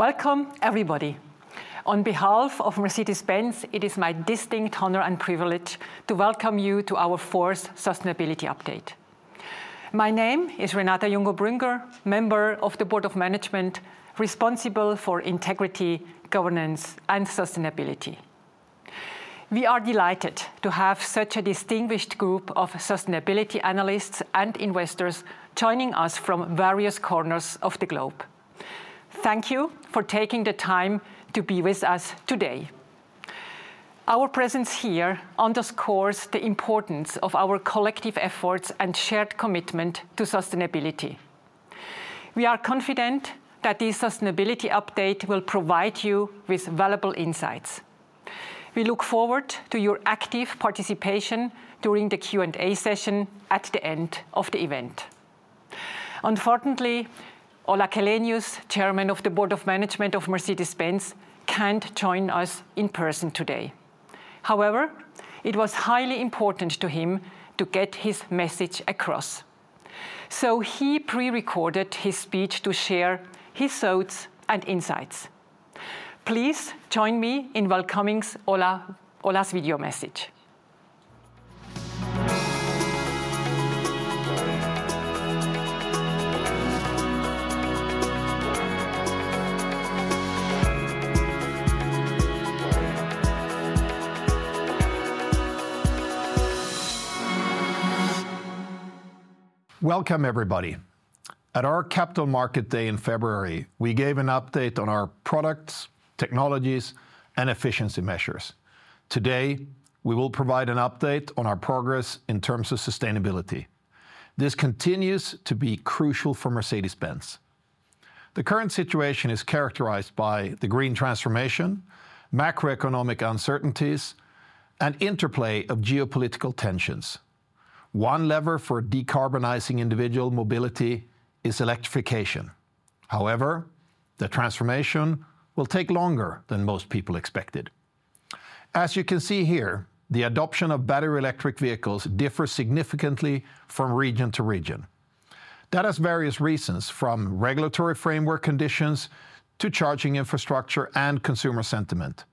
Welcome, everybody. On behalf of Mercedes-Benz, it is my distinct honor and privilege to welcome you to our fourth Sustainability Update. My name is Renata Jungo Brünger, member of the Board of Management responsible for integrity, governance, and sustainability. We are delighted to have such a distinguished group of sustainability analysts and investors joining us from various corners of the globe. Thank you for taking the time to be with us today. Our presence here underscores the importance of our collective efforts and shared commitment to sustainability. We are confident that this Sustainability Update will provide you with valuable insights. We look forward to your active participation during the Q&A session at the end of the event. Unfortunately, Ola Källenius, Chairman of the Board of Management of Mercedes-Benz, can't join us in person today. However, it was highly important to him to get his message across, so he pre-recorded his speech to share his thoughts and insights. Please join me in welcoming Ola's video message. Welcome, everybody. At our Capital Market Day in February, we gave an update on our products, technologies, and efficiency measures. Today, we will provide an update on our progress in terms of sustainability. This continues to be crucial for Mercedes-Benz. The current situation is characterized by the green transformation, macroeconomic uncertainties, and interplay of geopolitical tensions. One lever for decarbonizing individual mobility is electrification. However, the transformation will take longer than most people expected. As you can see here, the adoption of battery electric vehicles differs significantly from region to region. That has various reasons, from regulatory framework conditions to charging infrastructure and consumer sentiment.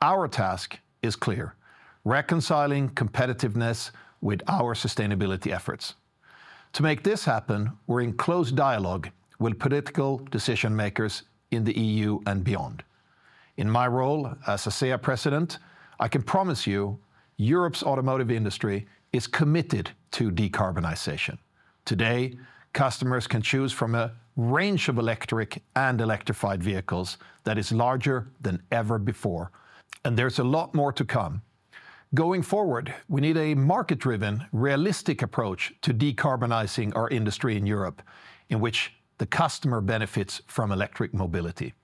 Our task is clear: reconciling competitiveness with our sustainability efforts. To make this happen, we're in close dialogue with political decision-makers in the EU and beyond. In my role as a SEAG President, I can promise you Europe's automotive industry is committed to decarbonization. Today, customers can choose from a range of electric and electrified vehicles that is larger than ever before, and there's a lot more to come. Going forward, we need a market-driven, realistic approach to decarbonizing our industry in Europe in which the customer benefits from electric mobility.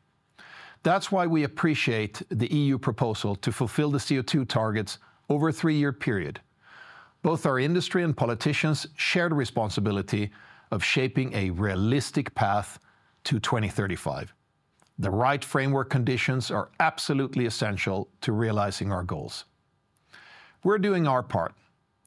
That's why we appreciate the EU proposal to fulfill the CO2 targets over a three-year period. Both our industry and politicians share responsibility of shaping a realistic path to 2035. The right framework conditions are absolutely essential to realizing our goals. We're doing our part.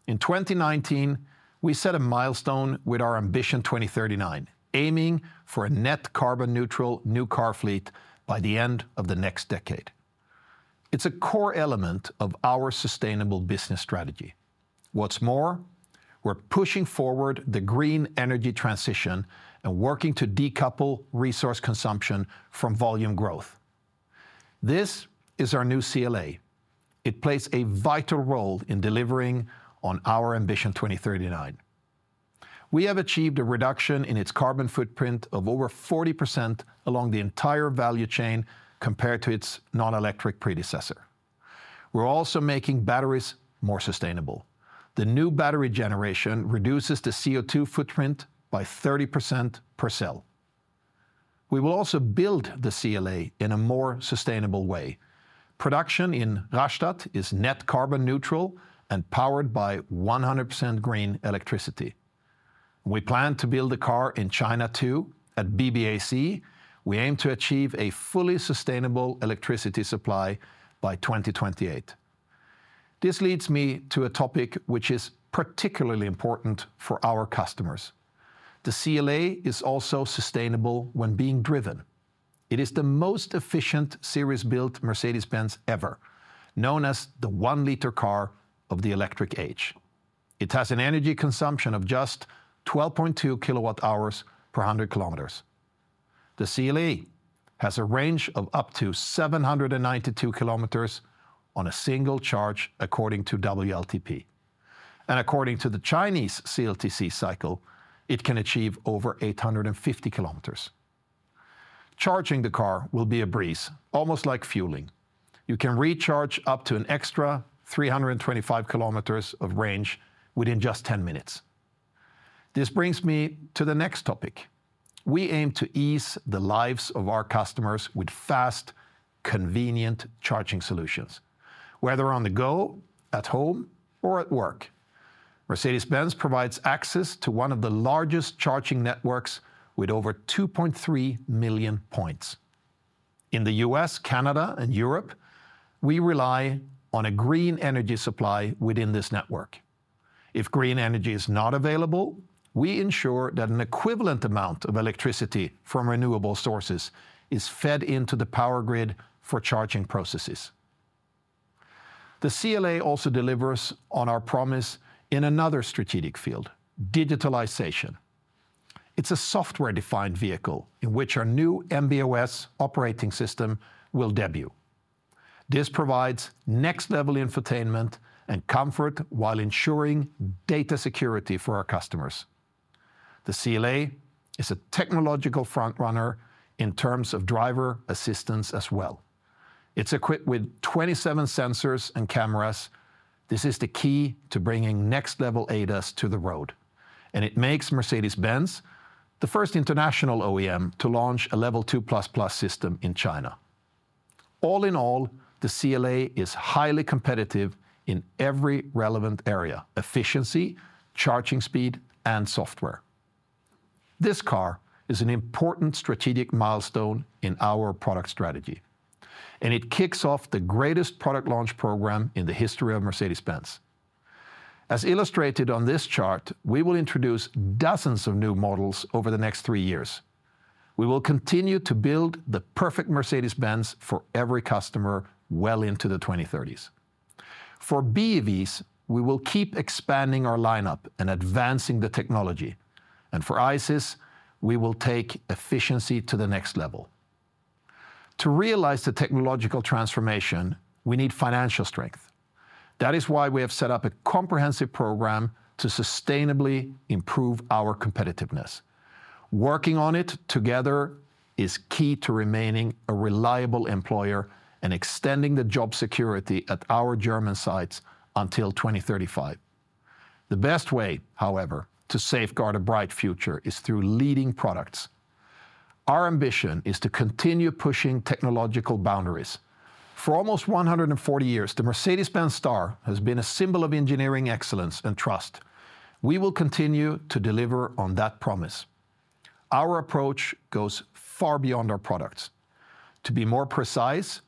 In 2019, we set a milestone with our Ambition 2039, aiming for a net carbon-neutral new car fleet by the end of the next decade. It's a core element of our sustainable business strategy. What's more, we're pushing forward the green energy transition and working to decouple resource consumption from volume growth. This is our new CLA. It plays a vital role in delivering on our Ambition 2039. We have achieved a reduction in its carbon footprint of over 40% along the entire value chain compared to its non-electric predecessor. We're also making batteries more sustainable. The new battery generation reduces the CO2 footprint by 30% per cell. We will also build the CLA in a more sustainable way. Production in Rastatt is net carbon neutral and powered by 100% green electricity. We plan to build a car in China too. At BBAC, we aim to achieve a fully sustainable electricity supply by 2028. This leads me to a topic which is particularly important for our customers. The CLA is also sustainable when being driven. It is the most efficient series-built Mercedes-Benz ever, known as the one-liter car of the electric age. It has an energy consumption of just 12.2 kilowatt-hours per 100 kilometers. The CLA has a range of up to 792 km on a single charge, according to WLTP. According to the Chinese CLTC cycle, it can achieve over 850 km. Charging the car will be a breeze, almost like fueling. You can recharge up to an extra 325 km of range within just 10 minutes. This brings me to the next topic. We aim to ease the lives of our customers with fast, convenient charging solutions, whether on the go, at home, or at work. Mercedes-Benz provides access to one of the largest charging networks with over 2.3 million points. In the U.S., Canada, and Europe, we rely on a green energy supply within this network. If green energy is not available, we ensure that an equivalent amount of electricity from renewable sources is fed into the power grid for charging processes. The CLA also delivers on our promise in another strategic field: digitalization. It's a software-defined vehicle in which our new MBOS operating system will debut. This provides next-level infotainment and comfort while ensuring data security for our customers. The CLA is a technological front-runner in terms of driver assistance as well. It's equipped with 27 sensors and cameras. This is the key to bringing next-level ADAS to the road, and it makes Mercedes-Benz the first international OEM to launch a Level 2++ system in China. All in all, the CLA is highly competitive in every relevant area: efficiency, charging speed, and software. This car is an important strategic milestone in our product strategy, and it kicks off the greatest product launch program in the history of Mercedes-Benz. As illustrated on this chart, we will introduce dozens of new models over the next three years. We will continue to build the perfect Mercedes-Benz for every customer well into the 2030s. For BEVs, we will keep expanding our lineup and advancing the technology. For ICEs, we will take efficiency to the next level. To realize the technological transformation, we need financial strength. That is why we have set up a comprehensive program to sustainably improve our competitiveness. Working on it together is key to remaining a reliable employer and extending the job security at our German sites until 2035. The best way, however, to safeguard a bright future is through leading products. Our ambition is to continue pushing technological boundaries. For almost 140 years, the Mercedes-Benz Star has been a symbol of engineering excellence and trust. We will continue to deliver on that promise. Our approach goes far beyond our products. To be more precise,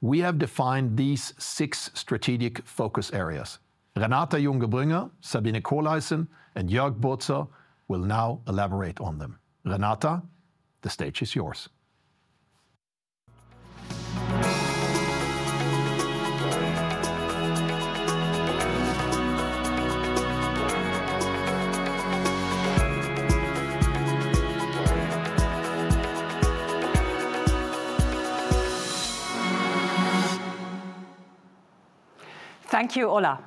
we have defined these six strategic focus areas. Renata Jungo Brünger, Sabine Kohleisen and Jörg Burzer will now elaborate on them. Renata, the stage is yours. Thank you, Ola.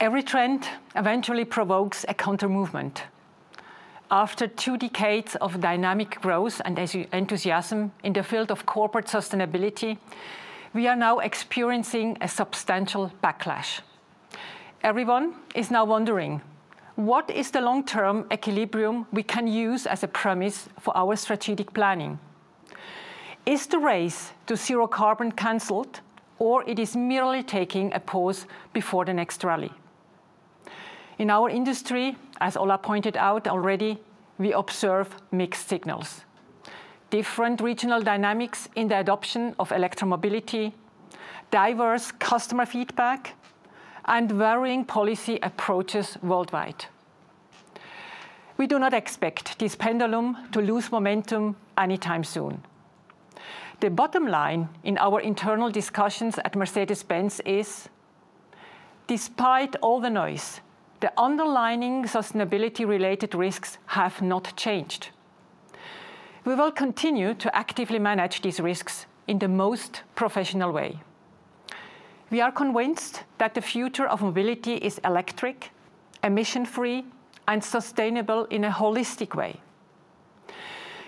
Every trend eventually provokes a countermovement. After two decades of dynamic growth and enthusiasm in the field of corporate sustainability, we are now experiencing a substantial backlash. Everyone is now wondering, what is the long-term equilibrium we can use as a premise for our strategic planning? Is the race to zero carbon canceled, or is it merely taking a pause before the next rally? In our industry, as Ola pointed out already, we observe mixed signals: different regional dynamics in the adoption of electromobility, diverse customer feedback, and varying policy approaches worldwide. We do not expect this pendulum to lose momentum anytime soon. The bottom line in our internal discussions at Mercedes-Benz is, despite all the noise, the underlying sustainability-related risks have not changed. We will continue to actively manage these risks in the most professional way. We are convinced that the future of mobility is electric, emission-free, and sustainable in a holistic way.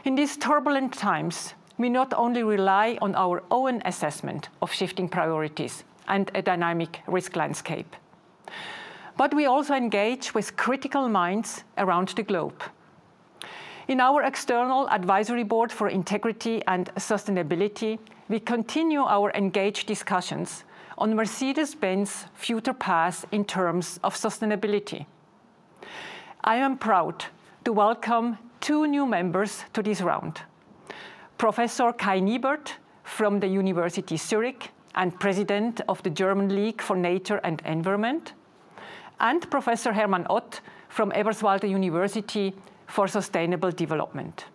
In these turbulent times, we not only rely on our own assessment of shifting priorities and a dynamic risk landscape, but we also engage with critical minds around the globe. In our external advisory board for integrity and sustainability, we continue our engaged discussions on Mercedes-Benz's future path in terms of sustainability. I am proud to welcome two new members to this round: Professor Kai Niebert from the University of Zurich and President of the German League for Nature and Environment, and Professor Hermann Ott from Eberswalde University for Sustainable Development.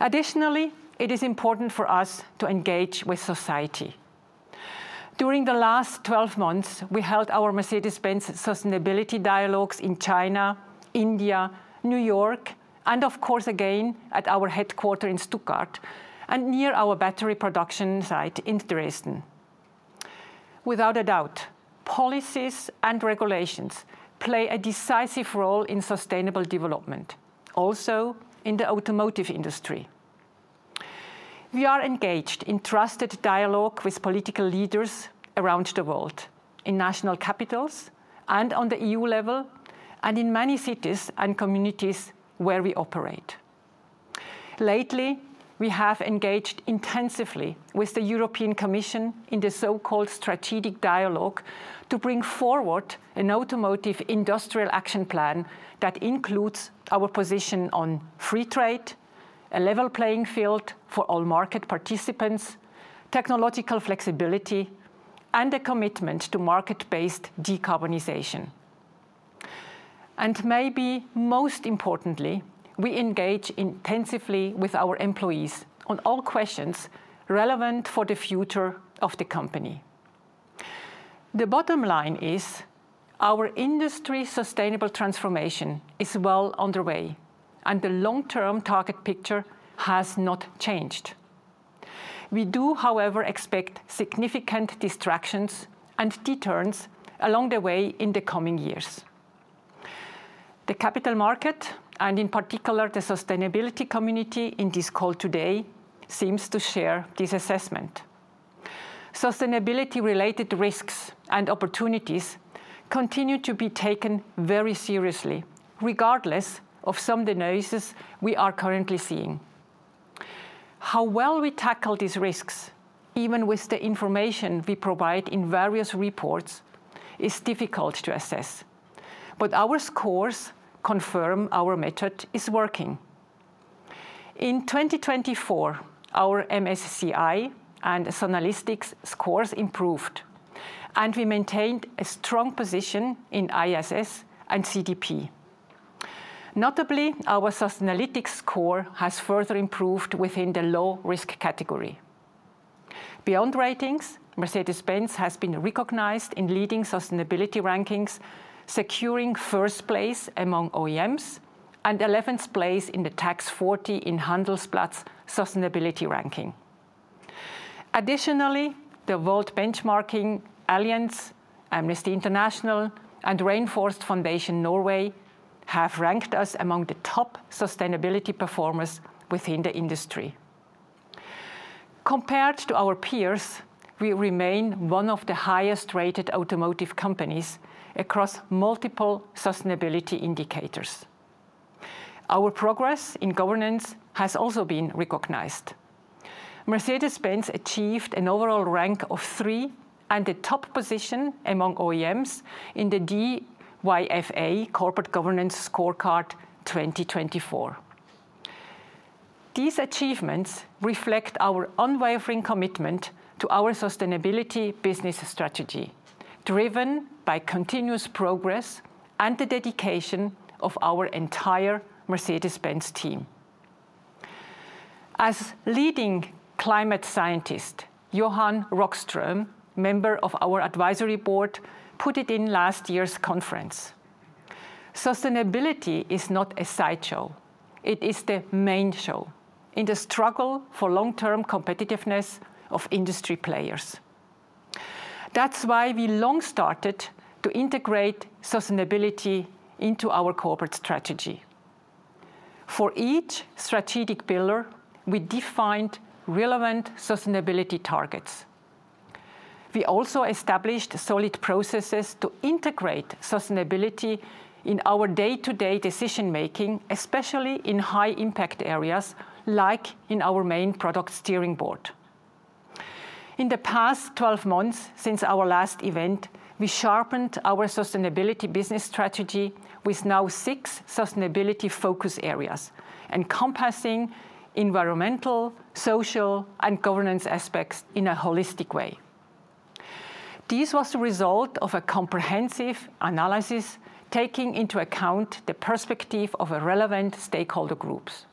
Additionally, it is important for us to engage with society. During the last 12 months, we held our Mercedes-Benz Sustainability Dialogues in China, India, New York, and of course, again at our headquarters in Stuttgart and near our battery production site in Dresden. Without a doubt, policies and regulations play a decisive role in sustainable development, also in the automotive industry. We are engaged in trusted dialogue with political leaders around the world, in national capitals and on the EU level, and in many cities and communities where we operate. Lately, we have engaged intensively with the European Commission in the so-called strategic dialogue to bring forward an automotive industrial action plan that includes our position on free trade, a level playing field for all market participants, technological flexibility, and a commitment to market-based decarbonization. Maybe most importantly, we engage intensively with our employees on all questions relevant for the future of the company. The bottom line is, our industry's sustainable transformation is well underway, and the long-term target picture has not changed. We do, however, expect significant distractions and detours along the way in the coming years. The capital market, and in particular the sustainability community in this call today, seems to share this assessment. Sustainability-related risks and opportunities continue to be taken very seriously, regardless of some of the noises we are currently seeing. How well we tackle these risks, even with the information we provide in various reports, is difficult to assess, but our scores confirm our method is working. In 2024, our MSCI and Sustainalytics scores improved, and we maintained a strong position in ISS and CDP. Notably, our Sustainalytics score has further improved within the low-risk category. Beyond ratings, Mercedes-Benz has been recognized in leading sustainability rankings, securing first place among OEMs and 11th place in the DAX40 in Handelsblatt's sustainability ranking. Additionally, the WELT benchmarking Allianz, Amnesty International, and Reitan Foundation Norway have ranked us among the top sustainability performers within the industry. Compared to our peers, we remain one of the highest-rated automotive companies across multiple sustainability indicators. Our progress in governance has also been recognized. Mercedes-Benz achieved an overall rank of three and the top position among OEMs in the DVFA Corporate Governance Scorecard 2024. These achievements reflect our unwavering commitment to our sustainability business strategy, driven by continuous progress and the dedication of our entire Mercedes-Benz team. As leading climate scientist, Johann Rockström, member of our advisory board, put it in last year's conference: "Sustainability is not a sideshow. It is the main show in the struggle for long-term competitiveness of industry players. That's why we long started to integrate sustainability into our corporate strategy. For each strategic pillar, we defined relevant sustainability targets. We also established solid processes to integrate sustainability in our day-to-day decision-making, especially in high-impact areas like in our main product steering board. In the past 12 months since our last event, we sharpened our sustainability business strategy with now six sustainability focus areas encompassing environmental, social, and governance aspects in a holistic way. This was the result of a comprehensive analysis taking into account the perspective of relevant stakeholder groups.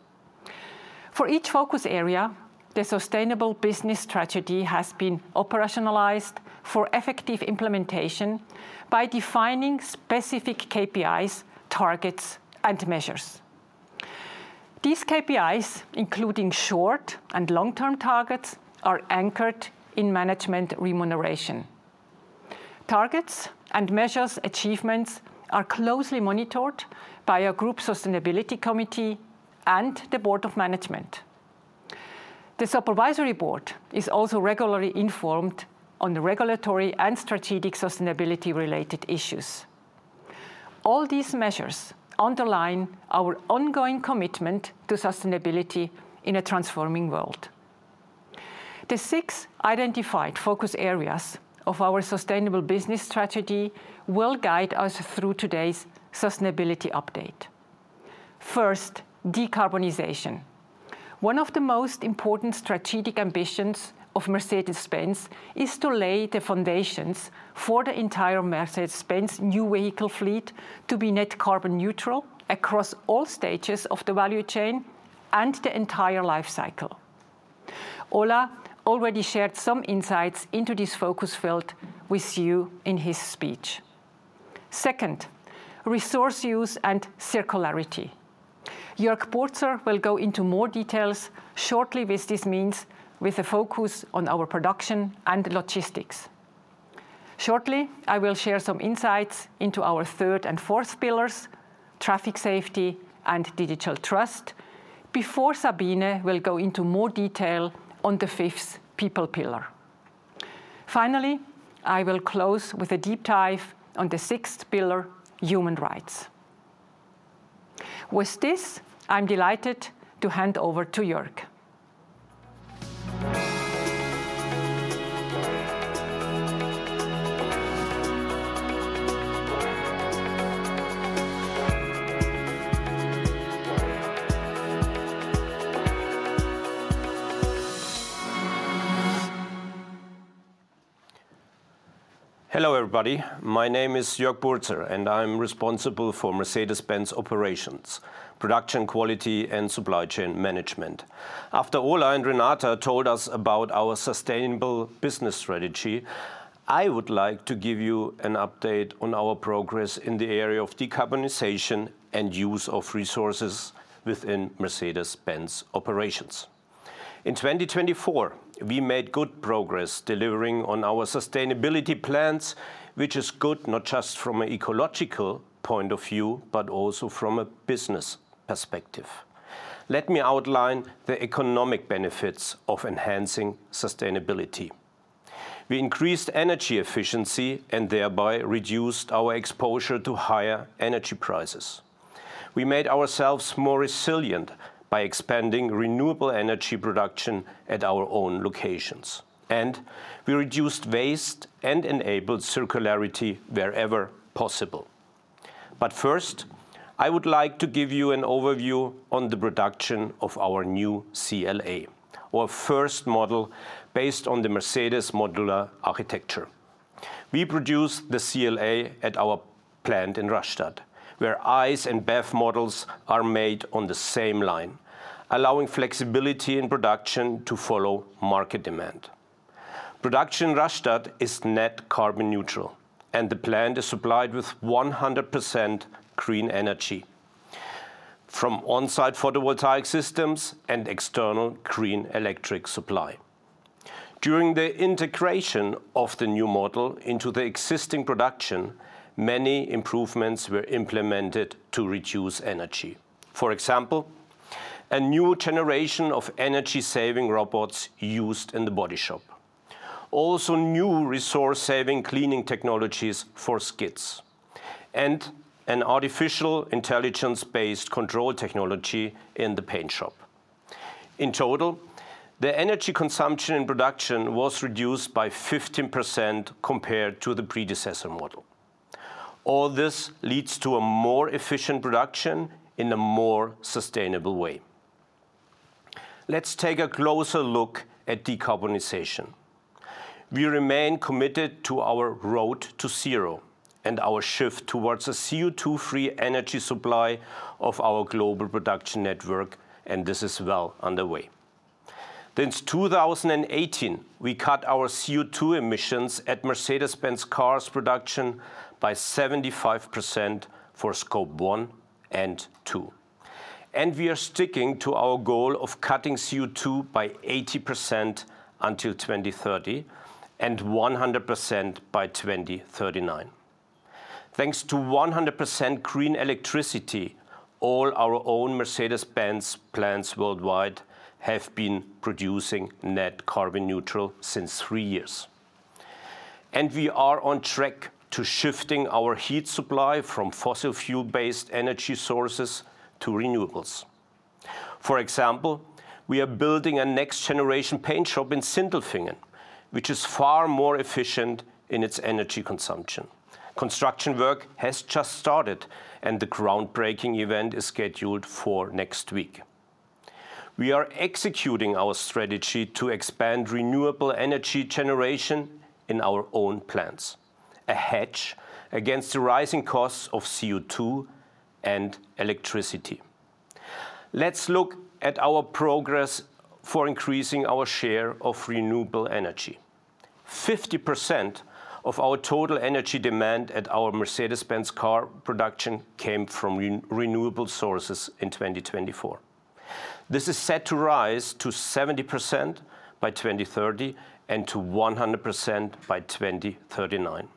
For each focus area, the sustainable business strategy has been operationalized for effective implementation by defining specific KPIs, targets, and measures. These KPIs, including short and long-term targets, are anchored in management remuneration. Targets and measures achievements are closely monitored by our Group Sustainability Committee and the Board of Management. The Supervisory Board is also regularly informed on regulatory and strategic sustainability-related issues. All these measures underline our ongoing commitment to sustainability in a transforming world. The six identified focus areas of our sustainable business strategy will guide us through today's sustainability update. First, decarbonization. One of the most important strategic ambitions of Mercedes-Benz is to lay the foundations for the entire Mercedes-Benz new vehicle fleet to be net carbon neutral across all stages of the value chain and the entire life cycle. Ola already shared some insights into this focus field with you in his speech. Second, resource use and circularity. Jörg Burzer will go into more details shortly what this means with a focus on our production and logistics. Shortly, I will share some insights into our third and fourth pillars, traffic safety and digital trust, before Sabine will go into more detail on the fifth, people pillar. Finally, I will close with a deep dive on the sixth pillar, human rights. With this, I'm delighted to hand over to Jörg. Hello everybody. My name is Jörg Burzer, and I'm responsible for Mercedes-Benz operations, production quality, and supply chain management. After Ola and Renata told us about our sustainable business strategy, I would like to give you an update on our progress in the area of decarbonization and use of resources within Mercedes-Benz operations. In 2024, we made good progress delivering on our sustainability plans, which is good not just from an ecological point of view, but also from a business perspective. Let me outline the economic benefits of enhancing sustainability. We increased energy efficiency and thereby reduced our exposure to higher energy prices. We made ourselves more resilient by expanding renewable energy production at our own locations, and we reduced waste and enabled circularity wherever possible. First, I would like to give you an overview on the production of our new CLA, our first model based on the Mercedes-Modular Architecture. We produce the CLA at our plant in Rastatt, where ICE and BEV models are made on the same line, allowing flexibility in production to follow market demand. Production in Rastatt is net carbon neutral, and the plant is supplied with 100% green energy from onsite photovoltaic systems and external green electric supply. During the integration of the new model into the existing production, many improvements were implemented to reduce energy. For example, a new generation of energy-saving robots used in the body shop, also new resource-saving cleaning technologies for skids, and an artificial intelligence-based control technology in the paint shop. In total, the energy consumption in production was reduced by 15% compared to the predecessor model. All this leads to a more efficient production in a more sustainable way. Let's take a closer look at decarbonization. We remain committed to our road to zero and our shift towards a CO2-free energy supply of our global production network, and this is well underway. Since 2018, we cut our CO2 emissions at Mercedes-Benz cars production by 75% for Scope 1 and 2, and we are sticking to our goal of cutting CO2 by 80% until 2030 and 100% by 2039. Thanks to 100% green electricity, all our own Mercedes-Benz plants worldwide have been producing net carbon neutral since three years, and we are on track to shift our heat supply from fossil fuel-based energy sources to renewables. For example, we are building a next-generation paint shop in Sindelfingen, which is far more efficient in its energy consumption. Construction work has just started, and the groundbreaking event is scheduled for next week. We are executing our strategy to expand renewable energy generation in our own plants, a hedge against the rising costs of CO2 and electricity. Let's look at our progress for increasing our share of renewable energy. 50% of our total energy demand at our Mercedes-Benz car production came from renewable sources in 2024. This is set to rise to 70% by 2030 and to 100% by 2039.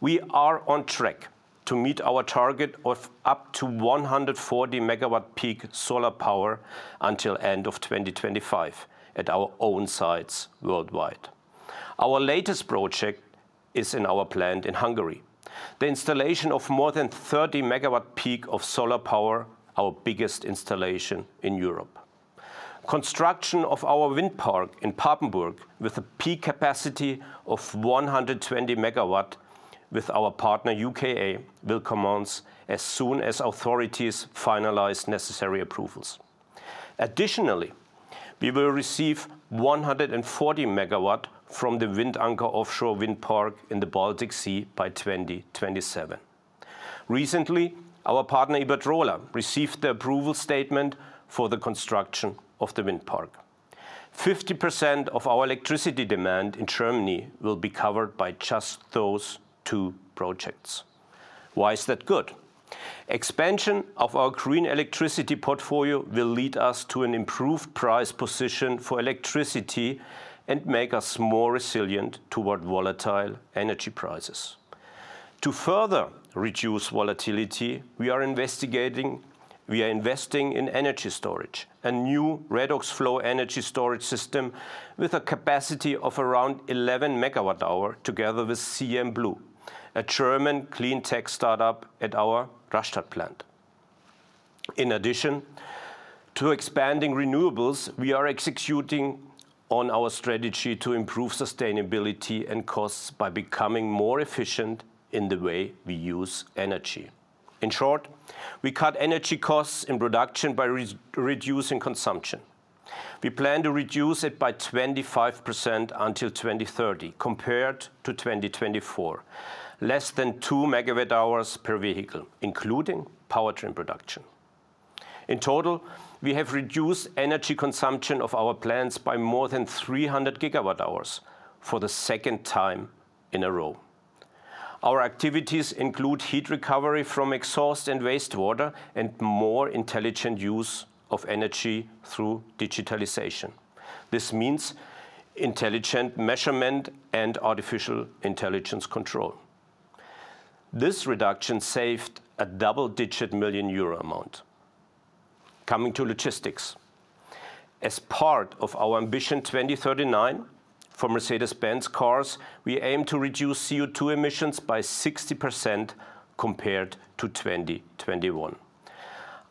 We are on track to meet our target of up to 140 megawatt-peak solar power until the end of 2025 at our own sites worldwide. Our latest project is in our plant in Hungary, the installation of more than 30 megawatt-peak of solar power, our biggest installation in Europe. Construction of our wind park in Papenburg with a peak capacity of 120 megawatt with our partner UKA will commence as soon as authorities finalize necessary approvals. Additionally, we will receive 140 megawatt from the Windanker Offshore Wind Park in the Baltic Sea by 2027. Recently, our partner Iberdrola received the approval statement for the construction of the wind park. 50% of our electricity demand in Germany will be covered by just those two projects. Why is that good? Expansion of our green electricity portfolio will lead us to an improved price position for electricity and make us more resilient toward volatile energy prices. To further reduce volatility, we are investing in energy storage, a new RedoxFlow energy storage system with a capacity of around 11 megawatt-hours together with CM Blue, a German clean tech startup at our Rastatt plant. In addition to expanding renewables, we are executing on our strategy to improve sustainability and costs by becoming more efficient in the way we use energy. In short, we cut energy costs in production by reducing consumption. We plan to reduce it by 25% until 2030 compared to 2024, less than 2 megawatt-hours per vehicle, including powertrain production. In total, we have reduced energy consumption of our plants by more than 300 gigawatt-hours for the second time in a row. Our activities include heat recovery from exhaust and wastewater and more intelligent use of energy through digitalization. This means intelligent measurement and artificial intelligence control. This reduction saved a double-digit million EUR amount. Coming to logistics, as part of our Ambition 2039 for Mercedes-Benz cars, we aim to reduce CO2 emissions by 60% compared to 2021.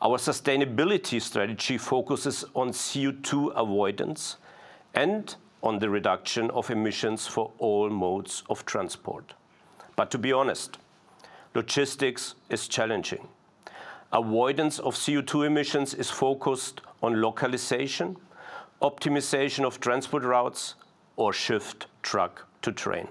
Our sustainability strategy focuses on CO2 avoidance and on the reduction of emissions for all modes of transport. To be honest, logistics is challenging. Avoidance of CO2 emissions is focused on localization, optimization of transport routes, or shift truck to train.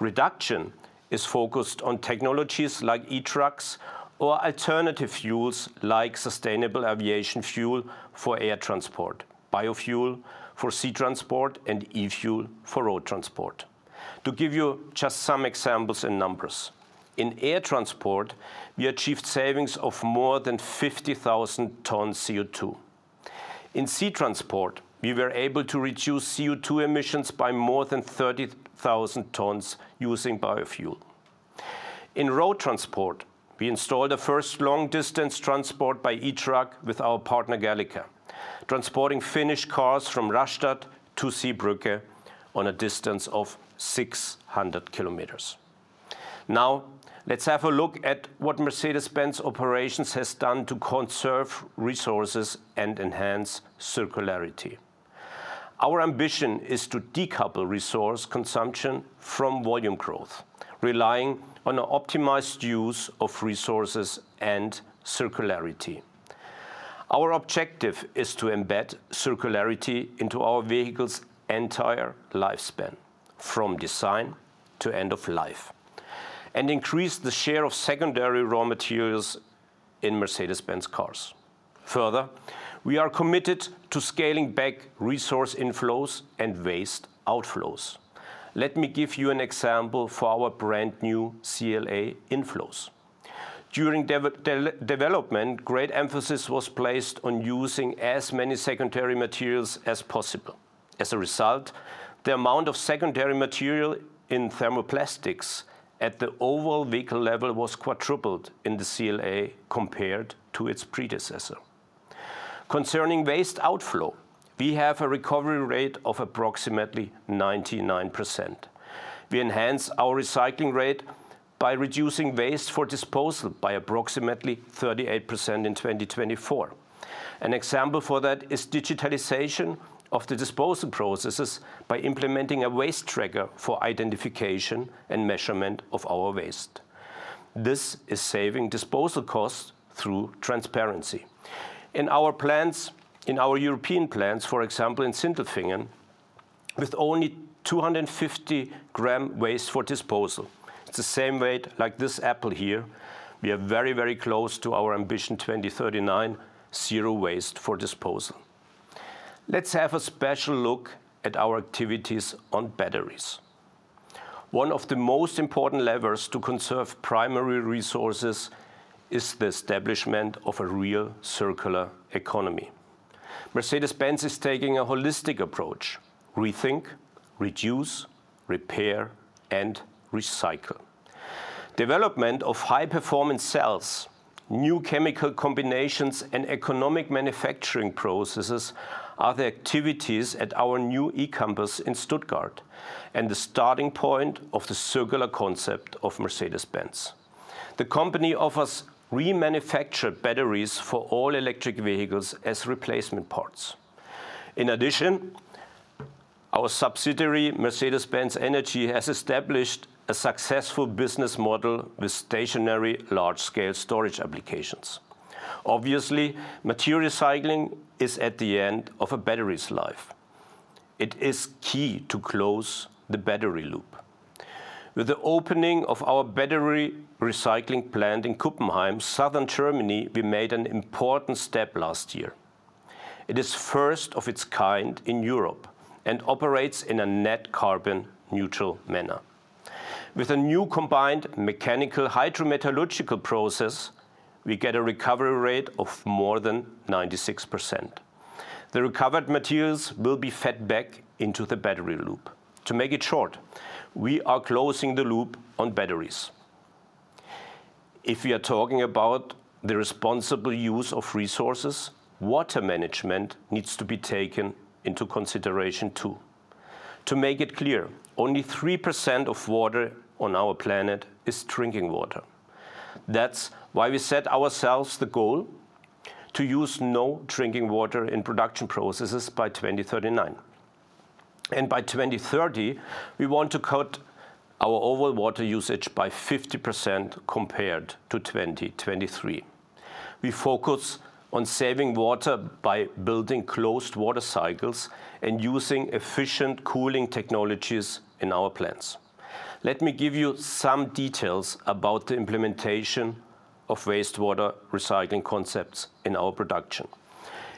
Reduction is focused on technologies like e-trucks or alternative fuels like sustainable aviation fuel for air transport, biofuel for sea transport, and e-fuel for road transport. To give you just some examples and numbers: in air transport, we achieved savings of more than 50,000 tons CO2. In sea transport, we were able to reduce CO2 emissions by more than 30,000 tons using biofuel. In road transport, we installed a first long-distance transport by e-truck with our partner Galliker, transporting finished cars from Rastatt to Seebrugge on a distance of 600 km. Now, let's have a look at what Mercedes-Benz operations has done to conserve resources and enhance circularity. Our ambition is to decouple resource consumption from volume growth, relying on an optimized use of resources and circularity. Our objective is to embed circularity into our vehicle's entire lifespan, from design to end of life, and increase the share of secondary raw materials in Mercedes-Benz cars. Further, we are committed to scaling back resource inflows and waste outflows. Let me give you an example for our brand new CLA inflows. During development, great emphasis was placed on using as many secondary materials as possible. As a result, the amount of secondary material in thermoplastics at the overall vehicle level was quadrupled in the CLA compared to its predecessor. Concerning waste outflow, we have a recovery rate of approximately 99%. We enhance our recycling rate by reducing waste for disposal by approximately 38% in 2024. An example for that is digitalization of the disposal processes by implementing a waste tracker for identification and measurement of our waste. This is saving disposal costs through transparency. In our plants, in our European plants, for example, in Sindelfingen, with only 250 grams waste for disposal, it's the same weight like this apple here, we are very, very close to our Ambition 2039, zero waste for disposal. Let's have a special look at our activities on batteries. One of the most important levers to conserve primary resources is the establishment of a real circular economy. Mercedes-Benz is taking a holistic approach: rethink, reduce, repair, and recycle. Development of high-performance cells, new chemical combinations, and economic manufacturing processes are the activities at our new e-campus in Stuttgart and the starting point of the circular concept of Mercedes-Benz. The company offers remanufactured batteries for all electric vehicles as replacement parts. In addition, our subsidiary Mercedes-Benz Energy has established a successful business model with stationary large-scale storage applications. Obviously, material recycling is at the end of a battery's life. It is key to close the battery loop. With the opening of our battery recycling plant in Kuppenheim, southern Germany, we made an important step last year. It is first of its kind in Europe and operates in a net carbon neutral manner. With a new combined mechanical hydrometallurgical process, we get a recovery rate of more than 96%. The recovered materials will be fed back into the battery loop. To make it short, we are closing the loop on batteries. If we are talking about the responsible use of resources, water management needs to be taken into consideration too. To make it clear, only 3% of water on our planet is drinking water. That's why we set ourselves the goal to use no drinking water in production processes by 2039. By 2030, we want to cut our overall water usage by 50% compared to 2023. We focus on saving water by building closed water cycles and using efficient cooling technologies in our plants. Let me give you some details about the implementation of wastewater recycling concepts in our production.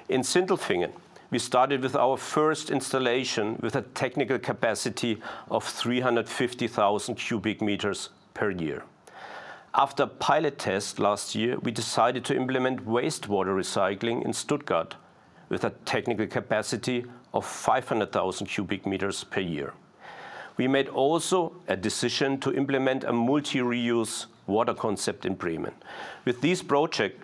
In Sindelfingen, we started with our first installation with a technical capacity of 350,000 cubic meters per year. After pilot tests last year, we decided to implement wastewater recycling in Stuttgart with a technical capacity of 500,000 cubic meters per year. We also made a decision to implement a multi-reuse water concept in Bremen. With this project,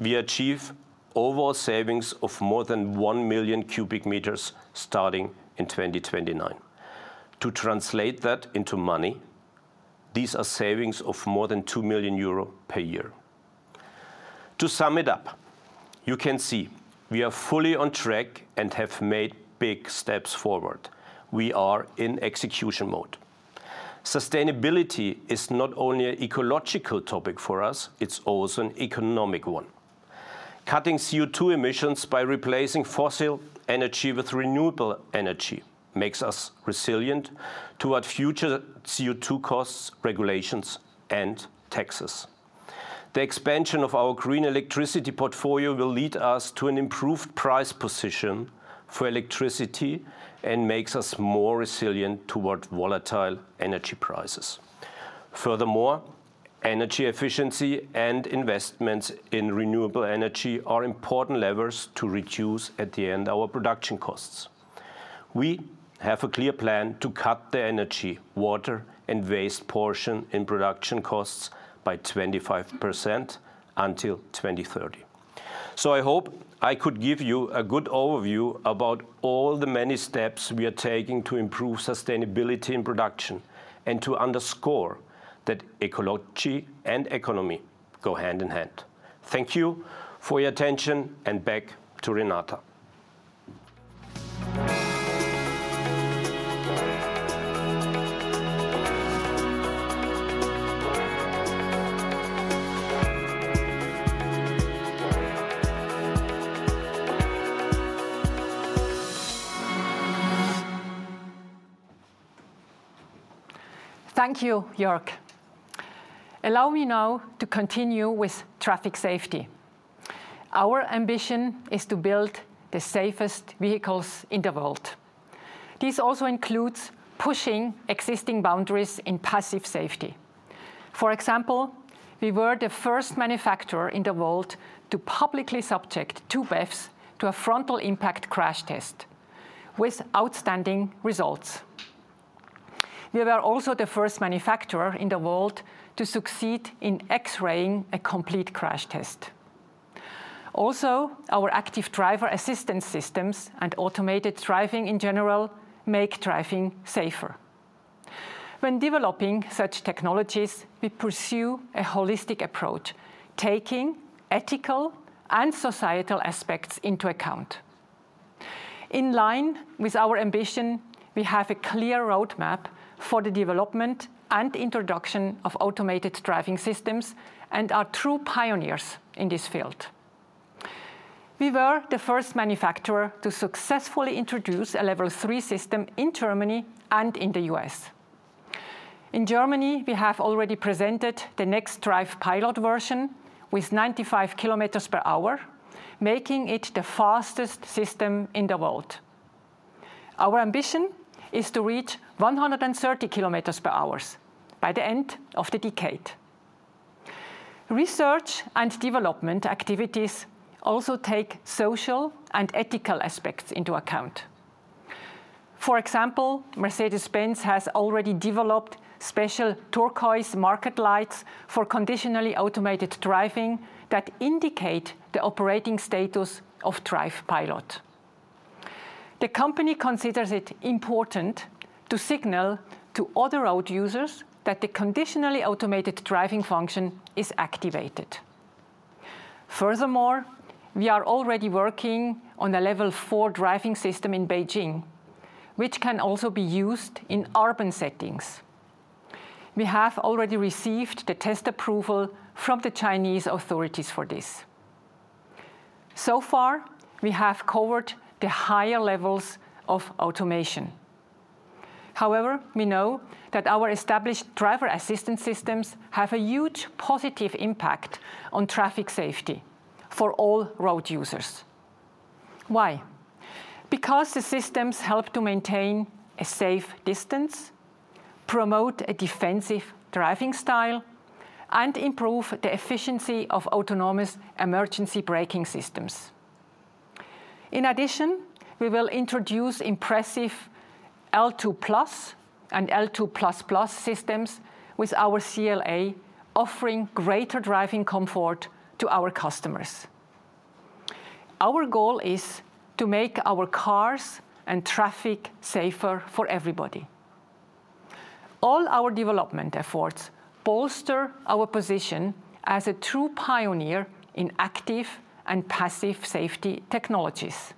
we achieve overall savings of more than one million cubic meters starting in 2029. To translate that into money, these are savings of more than 2 million euro per year. To sum it up, you can see we are fully on track and have made big steps forward. We are in execution mode. Sustainability is not only an ecological topic for us; it's also an economic one. Cutting CO2 emissions by replacing fossil energy with renewable energy makes us resilient toward future CO2 costs, regulations, and taxes. The expansion of our green electricity portfolio will lead us to an improved price position for electricity and makes us more resilient toward volatile energy prices. Furthermore, energy efficiency and investments in renewable energy are important levers to reduce at the end our production costs. We have a clear plan to cut the energy, water, and waste portion in production costs by 25% until 2030. I hope I could give you a good overview about all the many steps we are taking to improve sustainability in production and to underscore that ecology and economy go hand in hand. Thank you for your attention, and back to Renata. Thank you, Jörg. Allow me now to continue with traffic safety. Our ambition is to build the safest vehicles in the world. This also includes pushing existing boundaries in passive safety. For example, we were the first manufacturer in the world to publicly subject two BEVs to a frontal impact crash test with outstanding results. We were also the first manufacturer in the world to succeed in X-raying a complete crash test. Also, our active driver assistance systems and automated driving in general make driving safer. When developing such technologies, we pursue a holistic approach, taking ethical and societal aspects into account. In line with our ambition, we have a clear roadmap for the development and introduction of automated driving systems and are true pioneers in this field. We were the first manufacturer to successfully introduce a Level 3 system in Germany and in the U.S. In Germany, we have already presented the NextDrive pilot version with 95 km per hour, making it the fastest system in the world. Our ambition is to reach 130 km per hour by the end of the decade. Research and development activities also take social and ethical aspects into account. For example, Mercedes-Benz has already developed special turquoise market lights for conditionally automated driving that indicate the operating status of Drive Pilot. The company considers it important to signal to other road users that the conditionally automated driving function is activated. Furthermore, we are already working on a Level 4 driving system in Beijing, which can also be used in urban settings. We have already received the test approval from the Chinese authorities for this. So far, we have covered the higher levels of automation. However, we know that our established driver assistance systems have a huge positive impact on traffic safety for all road users. Why? Because the systems help to maintain a safe distance, promote a defensive driving style, and improve the efficiency of autonomous emergency braking systems. In addition, we will introduce impressive L2 Plus and L2 Plus Plus systems with our CLA, offering greater driving comfort to our customers. Our goal is to make our cars and traffic safer for everybody. All our development efforts bolster our position as a true pioneer in active and passive safety technologies.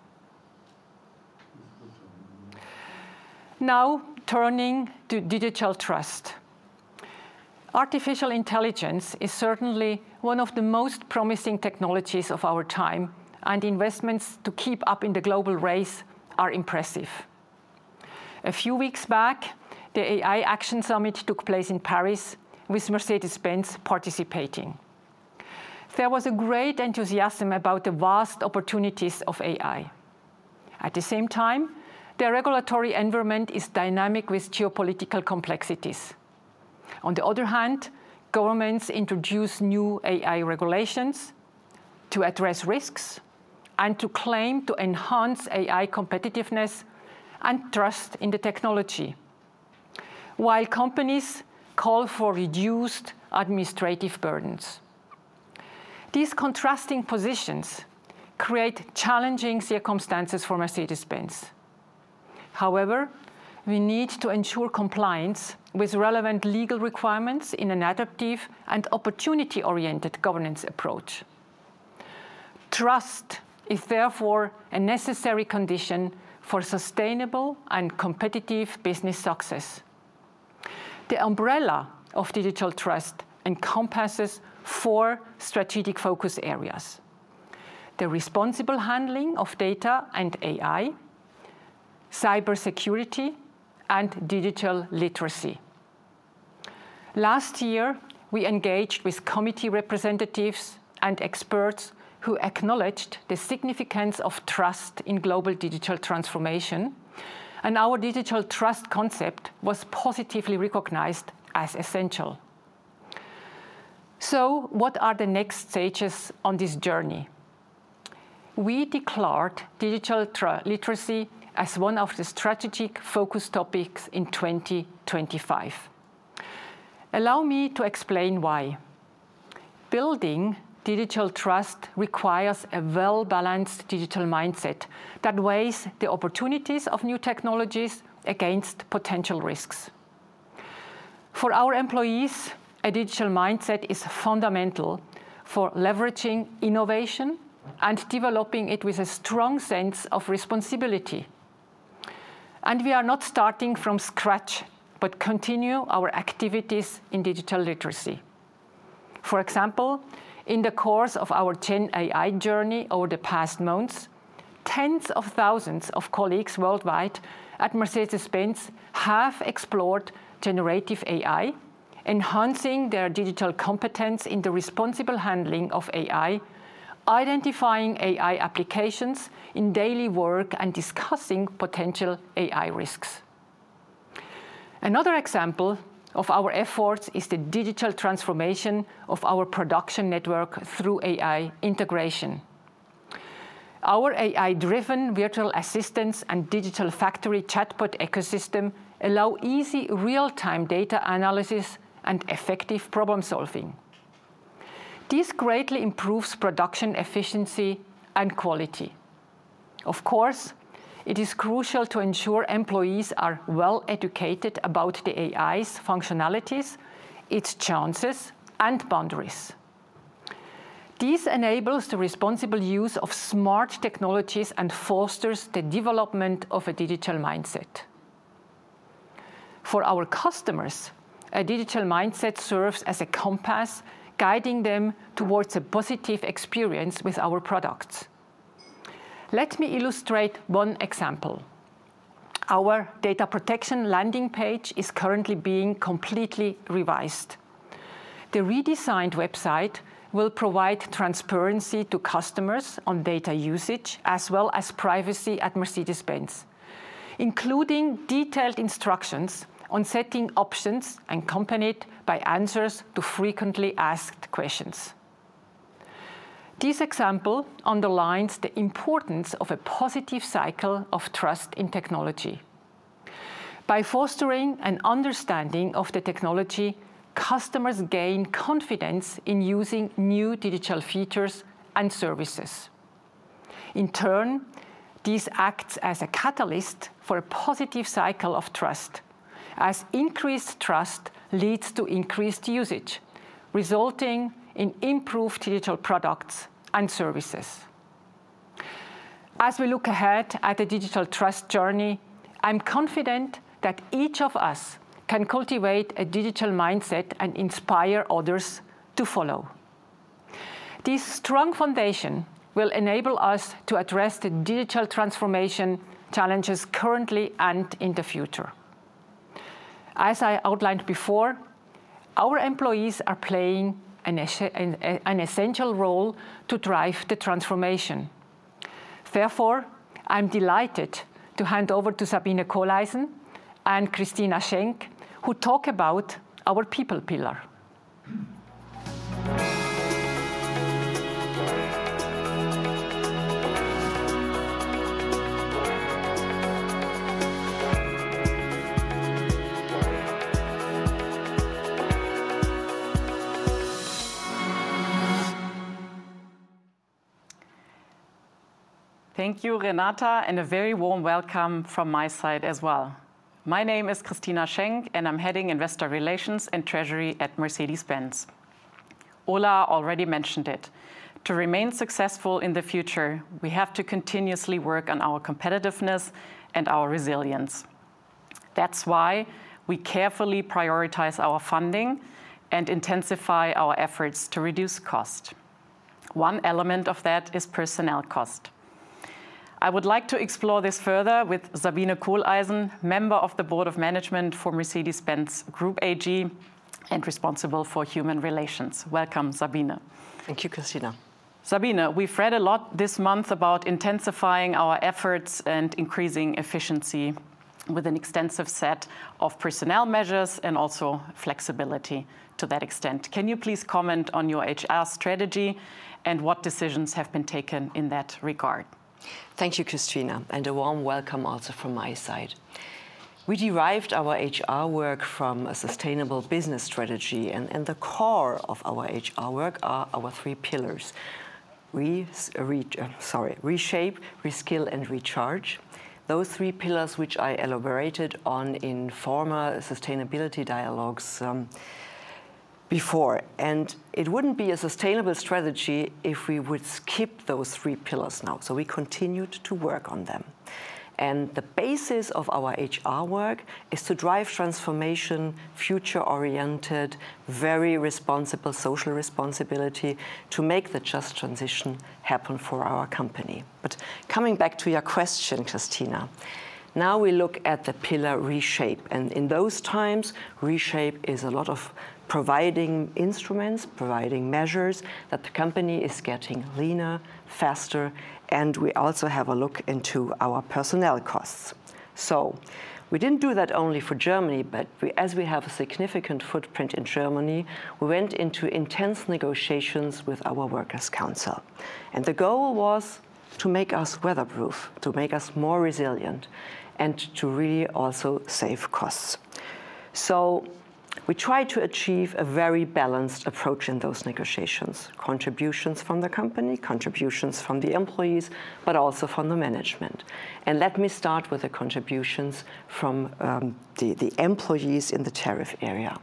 Now, turning to digital trust. Artificial intelligence is certainly one of the most promising technologies of our time, and investments to keep up in the global race are impressive. A few weeks back, the AI Action Summit took place in Paris with Mercedes-Benz participating. There was a great enthusiasm about the vast opportunities of AI. At the same time, the regulatory environment is dynamic with geopolitical complexities. On the other hand, governments introduce new AI regulations to address risks and to claim to enhance AI competitiveness and trust in the technology, while companies call for reduced administrative burdens. These contrasting positions create challenging circumstances for Mercedes-Benz. However, we need to ensure compliance with relevant legal requirements in an adaptive and opportunity-oriented governance approach. Trust is therefore a necessary condition for sustainable and competitive business success. The umbrella of digital trust encompasses four strategic focus areas: the responsible handling of data and AI, cybersecurity, and digital literacy. Last year, we engaged with committee representatives and experts who acknowledged the significance of trust in global digital transformation, and our digital trust concept was positively recognized as essential. What are the next stages on this journey? We declared digital literacy as one of the strategic focus topics in 2025. Allow me to explain why. Building digital trust requires a well-balanced digital mindset that weighs the opportunities of new technologies against potential risks. For our employees, a digital mindset is fundamental for leveraging innovation and developing it with a strong sense of responsibility. We are not starting from scratch but continue our activities in digital literacy. For example, in the course of our Gen AI journey over the past months, tens of thousands of colleagues worldwide at Mercedes-Benz have explored generative AI, enhancing their digital competence in the responsible handling of AI, identifying AI applications in daily work, and discussing potential AI risks. Another example of our efforts is the digital transformation of our production network through AI integration. Our AI-driven virtual assistants and digital factory chatbot ecosystem allow easy real-time data analysis and effective problem-solving. This greatly improves production efficiency and quality. It is crucial to ensure employees are well-educated about the AI's functionalities, its chances, and boundaries. This enables the responsible use of smart technologies and fosters the development of a digital mindset. For our customers, a digital mindset serves as a compass guiding them towards a positive experience with our products. Let me illustrate one example. Our data protection landing page is currently being completely revised. The redesigned website will provide transparency to customers on data usage as well as privacy at Mercedes-Benz, including detailed instructions on setting options accompanied by answers to frequently asked questions. This example underlines the importance of a positive cycle of trust in technology. By fostering an understanding of the technology, customers gain confidence in using new digital features and services. In turn, this acts as a catalyst for a positive cycle of trust, as increased trust leads to increased usage, resulting in improved digital products and services. As we look ahead at the digital trust journey, I'm confident that each of us can cultivate a digital mindset and inspire others to follow. This strong foundation will enable us to address the digital transformation challenges currently and in the future. As I outlined before, our employees are playing an essential role to drive the transformation. Therefore, I'm delighted to hand over to Sabine Kohleisen and Christina Schenk, who talk about our people pillar. Thank you, Renata, and a very warm welcome from my side as well. My name is Christina Schenk, and I'm heading Investor Relations and Treasury at Mercedes-Benz. Ola already mentioned it. To remain successful in the future, we have to continuously work on our competitiveness and our resilience. That's why we carefully prioritize our funding and intensify our efforts to reduce cost. One element of that is personnel cost. I would like to explore this further with Sabine Kohleisen, member of the Board of Management for Mercedes-Benz Group AG and responsible for human relations. Welcome, Sabine. Thank you, Christina. Sabine, we've read a lot this month about intensifying our efforts and increasing efficiency with an extensive set of personnel measures and also flexibility to that extent. Can you please comment on your HR strategy and what decisions have been taken in that regard? Thank you, Christina, and a warm welcome also from my side. We derived our HR work from a sustainable business strategy, and the core of our HR work are our three pillars: reshape, reskill, and recharge. Those three pillars which I elaborated on in former sustainability dialogues before, and it would not be a sustainable strategy if we would skip those three pillars now. We continued to work on them. The basis of our HR work is to drive transformation, future-oriented, very responsible social responsibility to make the just transition happen for our company. Coming back to your question, Christina, now we look at the pillar reshape, and in those times, reshape is a lot of providing instruments, providing measures that the company is getting leaner, faster, and we also have a look into our personnel costs. We did not do that only for Germany, but as we have a significant footprint in Germany, we went into intense negotiations with our workers' council, and the goal was to make us weatherproof, to make us more resilient, and to really also save costs. We tried to achieve a very balanced approach in those negotiations: contributions from the company, contributions from the employees, but also from the management. Let me start with the contributions from the employees in the tariff area.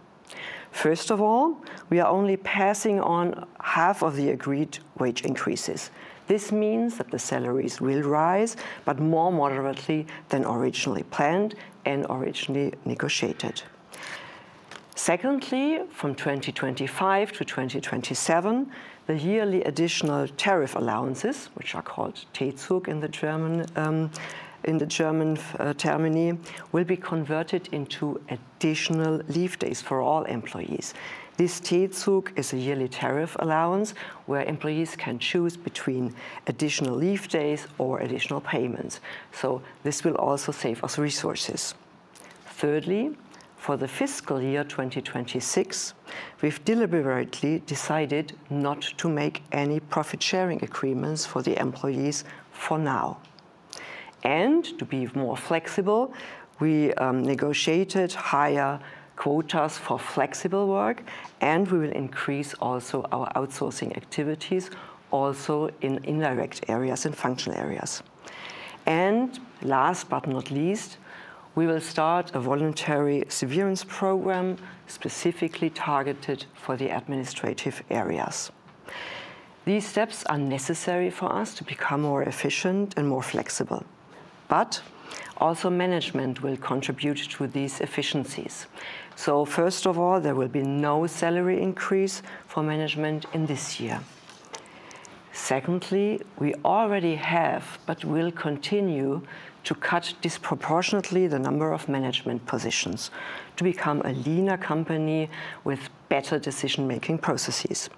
First of all, we are only passing on half of the agreed wage increases. This means that the salaries will rise, but more moderately than originally planned and originally negotiated. Secondly, from 2025-2027, the yearly additional tariff allowances, which are called Teezug in the German terminal, will be converted into additional leave days for all employees. This Teezug is a yearly tariff allowance where employees can choose between additional leave days or additional payments. This will also save us resources. Thirdly, for the fiscal year 2026, we've deliberately decided not to make any profit-sharing agreements for the employees for now. To be more flexible, we negotiated higher quotas for flexible work, and we will increase also our outsourcing activities also in indirect areas and functional areas. Last but not least, we will start a voluntary severance program specifically targeted for the administrative areas. These steps are necessary for us to become more efficient and more flexible, but also management will contribute to these efficiencies. First of all, there will be no salary increase for management in this year. Secondly, we already have but will continue to cut disproportionately the number of management positions to become a leaner company with better decision-making processes.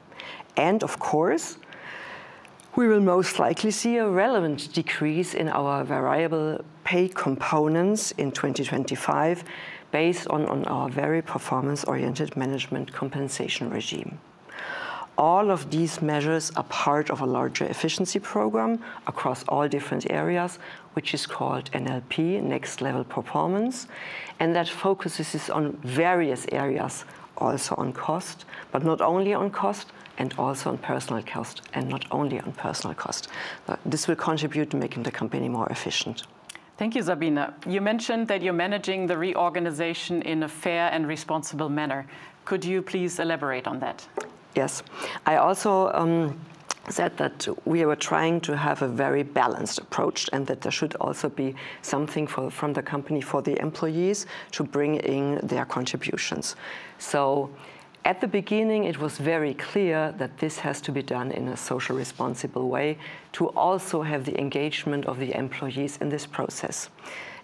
We will most likely see a relevant decrease in our variable pay components in 2025 based on our very performance-oriented management compensation regime. All of these measures are part of a larger efficiency program across all different areas, which is called NLP (Next Level Performance) and that focuses on various areas, also on cost, but not only on cost, and also on personal cost, and not only on personal cost. This will contribute to making the company more efficient. Thank you, Sabine. You mentioned that you're managing the reorganization in a fair and responsible manner. Could you please elaborate on that? Yes. I also said that we were trying to have a very balanced approach and that there should also be something from the company for the employees to bring in their contributions. At the beginning, it was very clear that this has to be done in a social responsible way to also have the engagement of the employees in this process.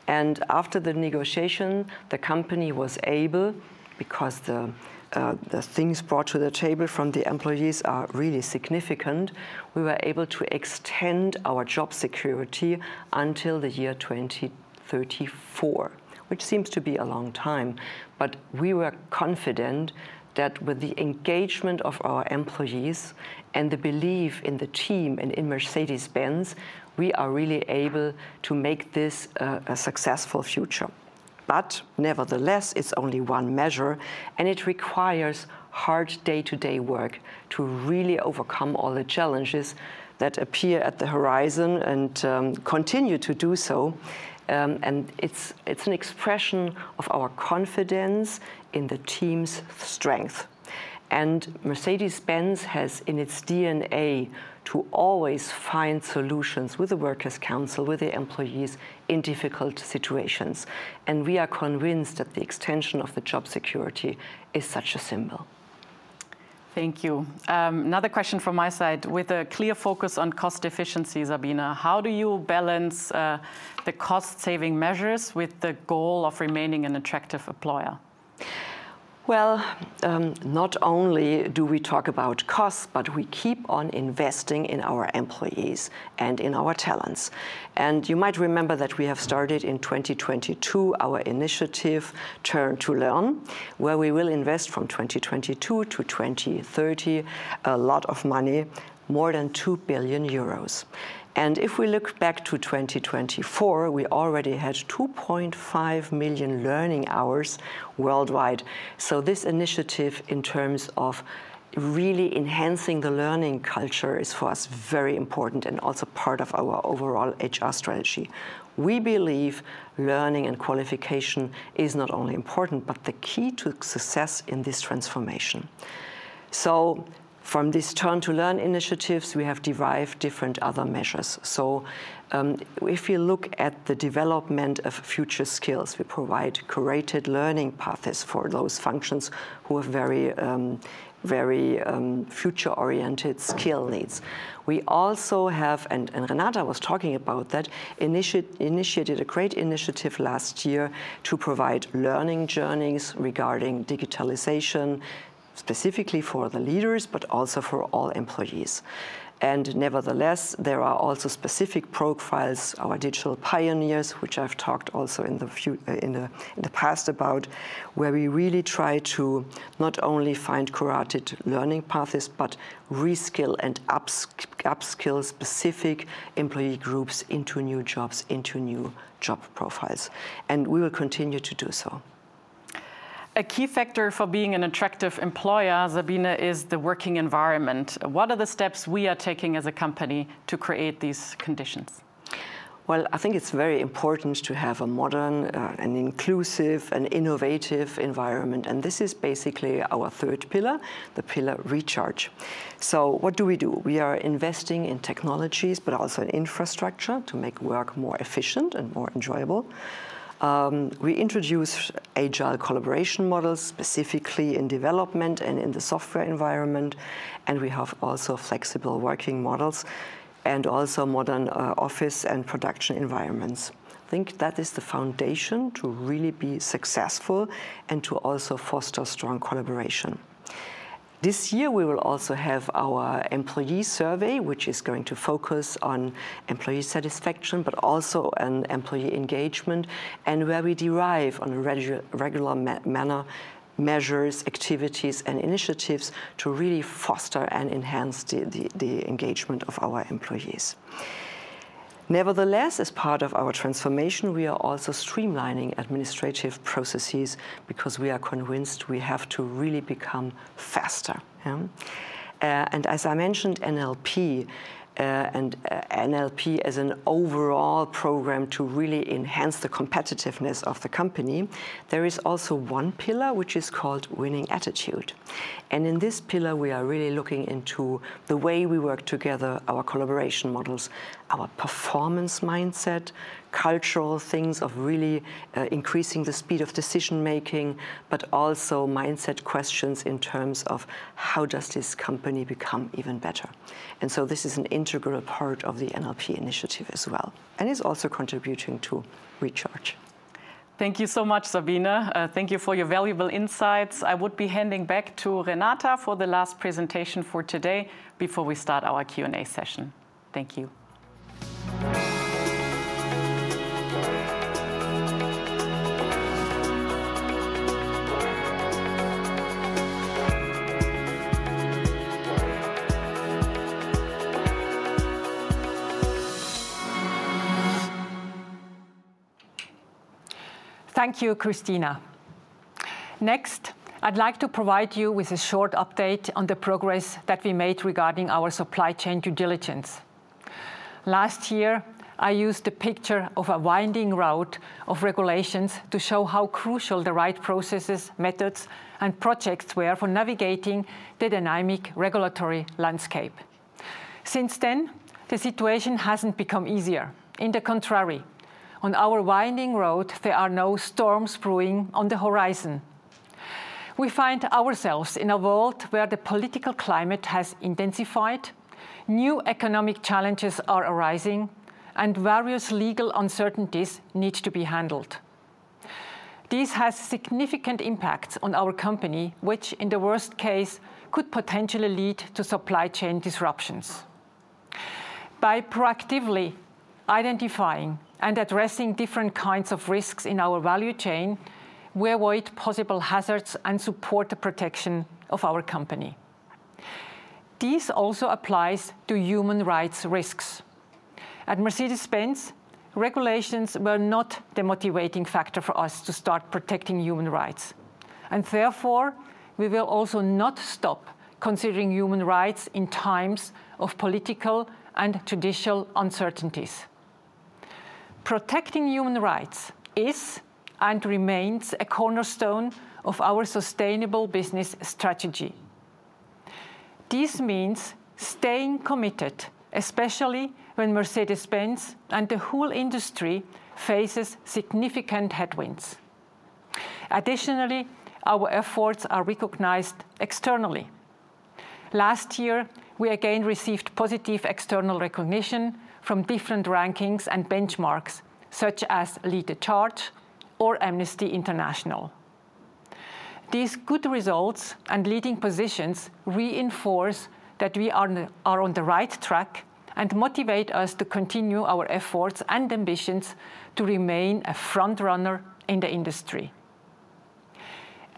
After the negotiation, the company was able, because the things brought to the table from the employees are really significant, we were able to extend our job security until the year 2034, which seems to be a long time. We were confident that with the engagement of our employees and the belief in the team and in Mercedes-Benz, we are really able to make this a successful future. Nevertheless, it's only one measure, and it requires hard day-to-day work to really overcome all the challenges that appear at the horizon and continue to do so. It's an expression of our confidence in the team's strength. Mercedes-Benz has in its DNA to always find solutions with the workers' council, with the employees in difficult situations. We are convinced that the extension of the job security is such a symbol. Thank you. Another question from my side. With a clear focus on cost efficiency, Sabine, how do you balance the cost-saving measures with the goal of remaining an attractive employer? Not only do we talk about cost, but we keep on investing in our employees and in our talents. You might remember that we have started in 2022 our initiative Turn to Learn, where we will invest from 2022-2030 a lot of money, more than 2 billion euros. If we look back to 2024, we already had 2.5 million learning hours worldwide. This initiative in terms of really enhancing the learning culture is for us very important and also part of our overall HR strategy. We believe learning and qualification is not only important, but the key to success in this transformation. From these Turn to Learn initiatives, we have derived different other measures. If you look at the development of future skills, we provide curated learning paths for those functions who have very future-oriented skill needs. We also have, and Renata was talking about that, initiated a great initiative last year to provide learning journeys regarding digitalization, specifically for the leaders, but also for all employees. Nevertheless, there are also specific profiles, our digital pioneers, which I've talked also in the past about, where we really try to not only find curated learning paths, but reskill and upskill specific employee groups into new jobs, into new job profiles. We will continue to do so. A key factor for being an attractive employer, Sabine, is the working environment. What are the steps we are taking as a company to create these conditions? It's very important to have a modern, an inclusive, and innovative environment. This is basically our third pillar, the pillar recharge. What do we do? We are investing in technologies, but also in infrastructure to make work more efficient and more enjoyable. We introduce agile collaboration models, specifically in development and in the software environment. We have also flexible working models and also modern office and production environments. That is the foundation to really be successful and to also foster strong collaboration. This year, we will also have our employee survey, which is going to focus on employee satisfaction, but also on employee engagement, and where we derive on a regular manner measures, activities, and initiatives to really foster and enhance the engagement of our employees. Nevertheless, as part of our transformation, we are also streamlining administrative processes because we are convinced we have to really become faster. As I mentioned, NLP and NLP as an overall program to really enhance the competitiveness of the company, there is also one pillar which is called winning attitude. In this pillar, we are really looking into the way we work together, our collaboration models, our performance mindset, cultural things of really increasing the speed of decision-making, but also mindset questions in terms of how does this company become even better. This is an integral part of the NLP initiative as well, and it's also contributing to recharge. Thank you so much, Sabine. Thank you for your valuable insights. I would be handing back to Renata for the last presentation for today before we start our Q&A session. Thank you. Thank you, Christina. Next, I'd like to provide you with a short update on the progress that we made regarding our supply chain due diligence. Last year, I used the picture of a winding route of regulations to show how crucial the right processes, methods, and projects were for navigating the dynamic regulatory landscape. Since then, the situation hasn't become easier. On the contrary, on our winding road, there are now storms brewing on the horizon. We find ourselves in a world where the political climate has intensified, new economic challenges are arising, and various legal uncertainties need to be handled. This has significant impacts on our company, which in the worst case could potentially lead to supply chain disruptions. By proactively identifying and addressing different kinds of risks in our value chain, we avoid possible hazards and support the protection of our company. This also applies to human rights risks. At Mercedes-Benz, regulations were not the motivating factor for us to start protecting human rights. Therefore, we will also not stop considering human rights in times of political and judicial uncertainties. Protecting human rights is and remains a cornerstone of our sustainable business strategy. This means staying committed, especially when Mercedes-Benz and the whole industry faces significant headwinds. Additionally, our efforts are recognized externally. Last year, we again received positive external recognition from different rankings and benchmarks such as Leader Chart or Amnesty International. These good results and leading positions reinforce that we are on the right track and motivate us to continue our efforts and ambitions to remain a front runner in the industry.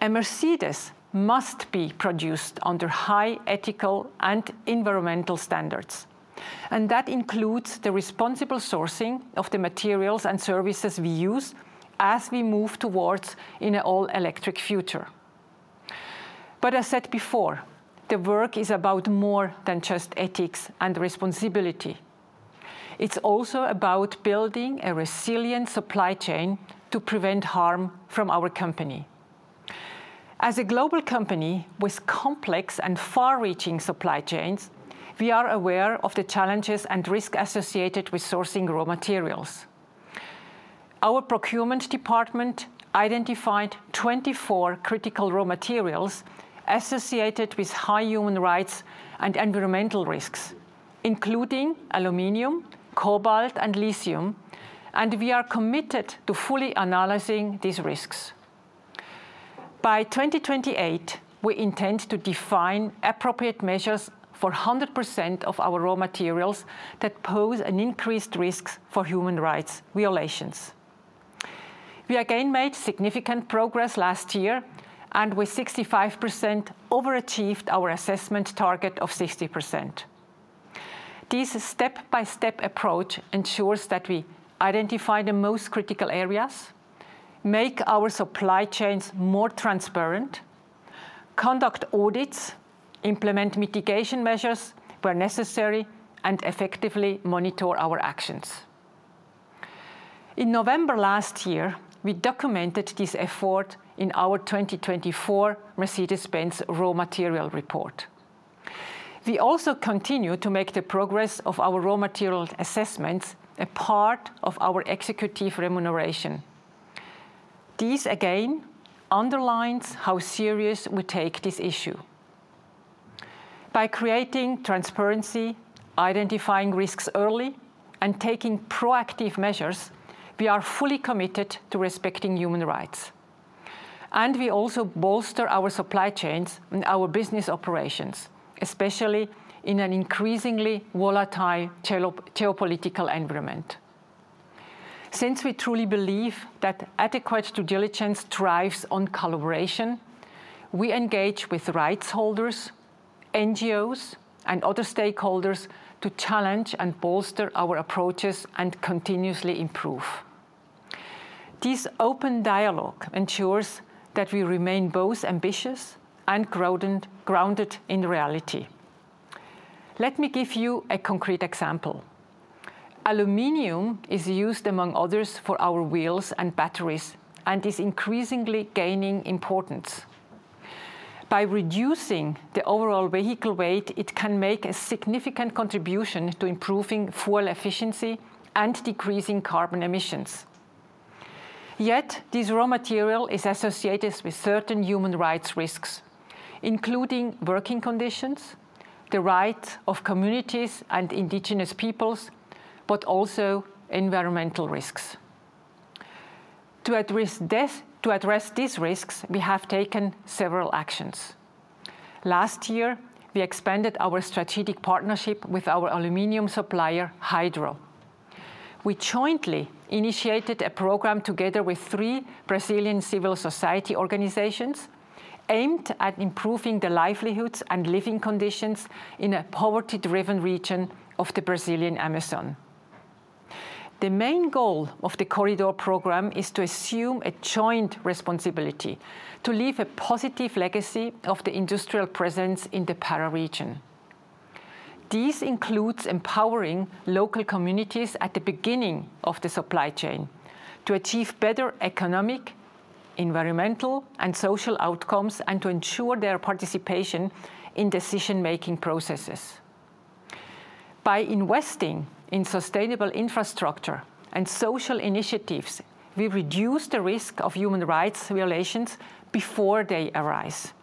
A Mercedes must be produced under high ethical and environmental standards. That includes the responsible sourcing of the materials and services we use as we move towards an all-electric future. As said before, the work is about more than just ethics and responsibility. It's also about building a resilient supply chain to prevent harm from our company. As a global company with complex and far-reaching supply chains, we are aware of the challenges and risks associated with sourcing raw materials. Our procurement department identified 24 critical raw materials associated with high human rights and environmental risks, including aluminium, cobalt, and lithium, and we are committed to fully analyzing these risks. By 2028, we intend to define appropriate measures for 100% of our raw materials that pose an increased risk for human rights violations. We again made significant progress last year, and we 65% overachieved our assessment target of 60%. This step-by-step approach ensures that we identify the most critical areas, make our supply chains more transparent, conduct audits, implement mitigation measures where necessary, and effectively monitor our actions. In November last year, we documented this effort in our 2024 Mercedes-Benz Raw Material Report. We also continue to make the progress of our raw material assessments a part of our executive remuneration. This, again, underlines how serious we take this issue. By creating transparency, identifying risks early, and taking proactive measures, we are fully committed to respecting human rights. We also bolster our supply chains and our business operations, especially in an increasingly volatile geopolitical environment. Since we truly believe that adequate due diligence thrives on collaboration, we engage with rights holders, NGOs, and other stakeholders to challenge and bolster our approaches and continuously improve. This open dialogue ensures that we remain both ambitious and grounded in reality. Let me give you a concrete example. Aluminium is used, among others, for our wheels and batteries and is increasingly gaining importance. By reducing the overall vehicle weight, it can make a significant contribution to improving fuel efficiency and decreasing carbon emissions. Yet, this raw material is associated with certain human rights risks, including working conditions, the rights of communities and indigenous peoples, but also environmental risks. To address these risks, we have taken several actions. Last year, we expanded our strategic partnership with our aluminium supplier, Hydro. We jointly initiated a program together with three Brazilian civil society organizations aimed at improving the livelihoods and living conditions in a poverty-driven region of the Brazilian Amazon. The main goal of the Corridor Program is to assume a joint responsibility to leave a positive legacy of the industrial presence in the Para region. This includes empowering local communities at the beginning of the supply chain to achieve better economic, environmental, and social outcomes and to ensure their participation in decision-making processes. By investing in sustainable infrastructure and social initiatives, we reduce the risk of human rights violations before they arise.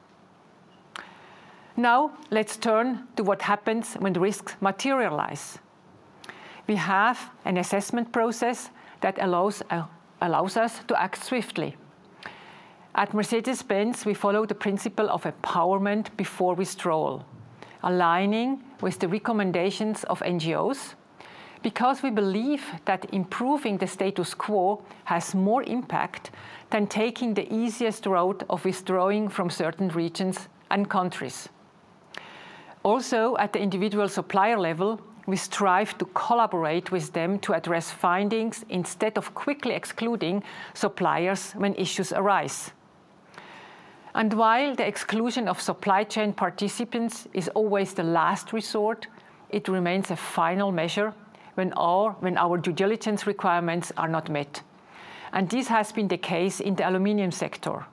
Now, let's turn to what happens when the risks materialize. We have an assessment process that allows us to act swiftly. At Mercedes-Benz, we follow the principle of empowerment before withdrawal, aligning with the recommendations of NGOs because we believe that improving the status quo has more impact than taking the easiest route of withdrawing from certain regions and countries. Also, at the individual supplier level, we strive to collaborate with them to address findings instead of quickly excluding suppliers when issues arise. While the exclusion of supply chain participants is always the last resort, it remains a final measure when our due diligence requirements are not met. This has been the case in the aluminium sector,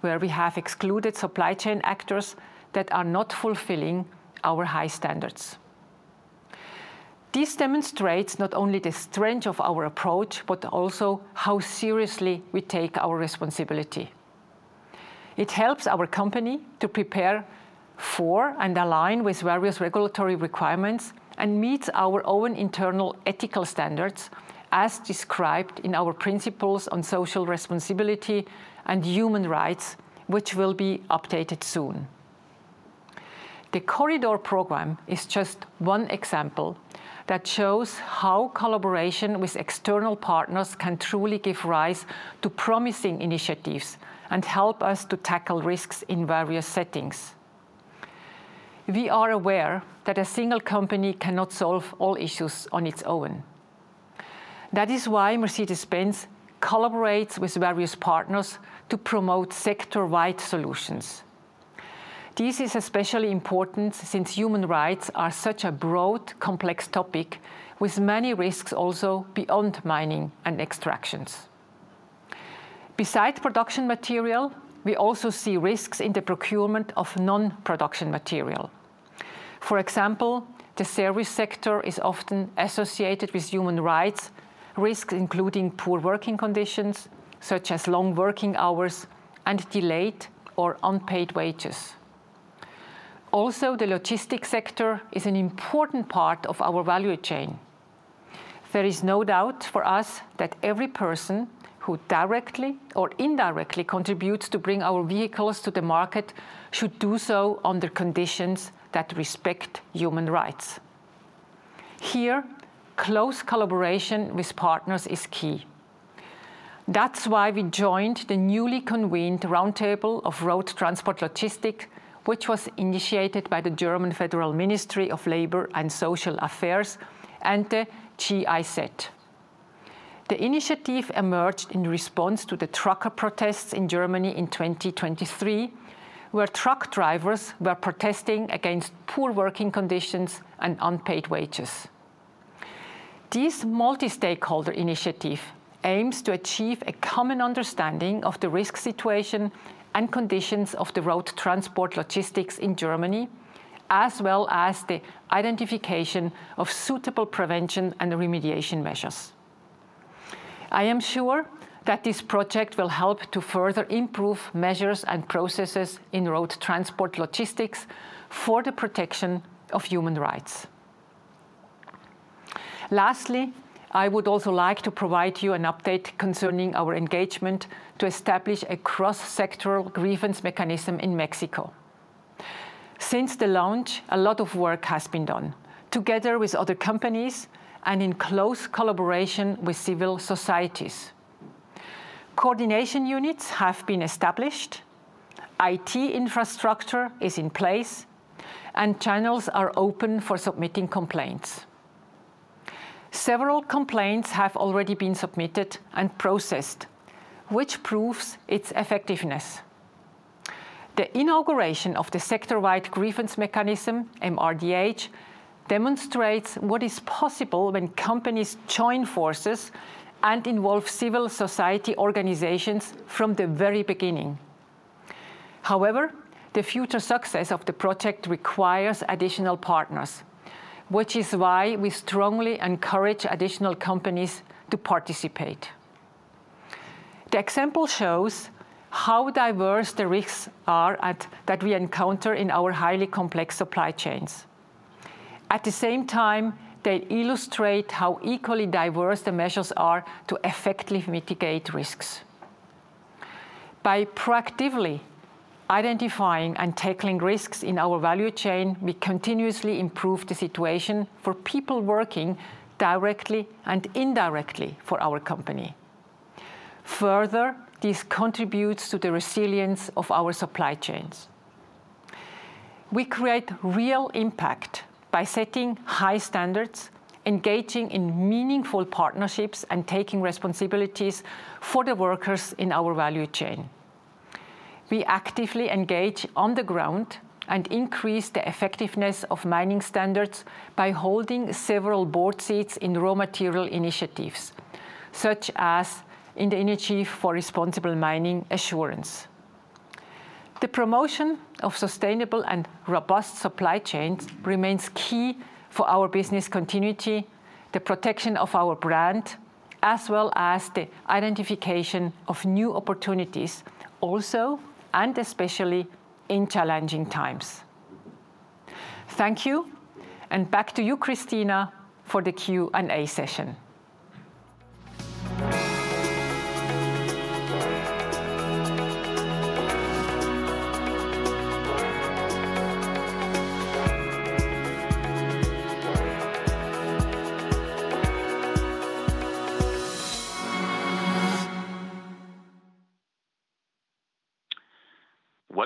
where we have excluded supply chain actors that are not fulfilling our high standards. This demonstrates not only the strength of our approach, but also how seriously we take our responsibility. It helps our company to prepare for and align with various regulatory requirements and meets our own internal ethical standards as described in our principles on social responsibility and human rights, which will be updated soon. The Corridor Program is just one example that shows how collaboration with external partners can truly give rise to promising initiatives and help us to tackle risks in various settings. We are aware that a single company cannot solve all issues on its own. That is why Mercedes-Benz collaborates with various partners to promote sector-wide solutions. This is especially important since human rights are such a broad, complex topic with many risks also beyond mining and extractions. Besides production material, we also see risks in the procurement of non-production material. For example, the service sector is often associated with human rights risks, including poor working conditions such as long working hours and delayed or unpaid wages. Also, the logistics sector is an important part of our value chain. There is no doubt for us that every person who directly or indirectly contributes to bring our vehicles to the market should do so under conditions that respect human rights. Here, close collaboration with partners is key. That is why we joined the newly convened Roundtable of Road Transport Logistics, which was initiated by the German Federal Ministry of Labor and Social Affairs and the GIZ. The initiative emerged in response to the trucker protests in Germany in 2023, where truck drivers were protesting against poor working conditions and unpaid wages. This multi-stakeholder initiative aims to achieve a common understanding of the risk situation and conditions of the road transport logistics in Germany, as well as the identification of suitable prevention and remediation measures. I am sure that this project will help to further improve measures and processes in road transport logistics for the protection of human rights. Lastly, I would also like to provide you an update concerning our engagement to establish a cross-sectoral grievance mechanism in Mexico. Since the launch, a lot of work has been done together with other companies and in close collaboration with civil societies. Coordination units have been established, IT infrastructure is in place, and channels are open for submitting complaints. Several complaints have already been submitted and processed, which proves its effectiveness. The inauguration of the Sector-Wide Grievance Mechanism, MRDH, demonstrates what is possible when companies join forces and involve civil society organizations from the very beginning. However, the future success of the project requires additional partners, which is why we strongly encourage additional companies to participate. The example shows how diverse the risks are that we encounter in our highly complex supply chains. At the same time, they illustrate how equally diverse the measures are to effectively mitigate risks. By proactively identifying and tackling risks in our value chain, we continuously improve the situation for people working directly and indirectly for our company. Further, this contributes to the resilience of our supply chains. We create real impact by setting high standards, engaging in meaningful partnerships, and taking responsibilities for the workers in our value chain. We actively engage on the ground and increase the effectiveness of mining standards by holding several board seats in raw material initiatives, such as in the Initiative for Responsible Mining Assurance. The promotion of sustainable and robust supply chains remains key for our business continuity, the protection of our brand, as well as the identification of new opportunities, also and especially in challenging times. Thank you, and back to you, Christina, for the Q&A session.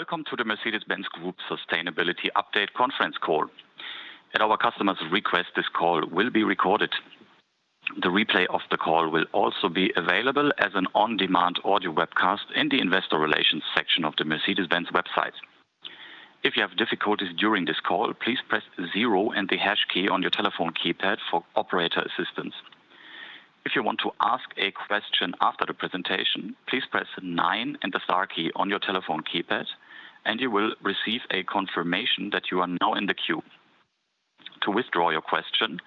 Welcome to the Mercedes-Benz Group Sustainability Update Conference Call. At our customers' request, this call will be recorded. The replay of the call will also be available as an on-demand audio webcast in the Investor Relations section of the Mercedes-Benz website. If you have difficulties during this call, please press 0 and the hash key on your telephone keypad for operator assistance. If you want to ask a question after the presentation, please press 9 and the star key on your telephone keypad, and you will receive a confirmation that you are now in the queue. To withdraw your question,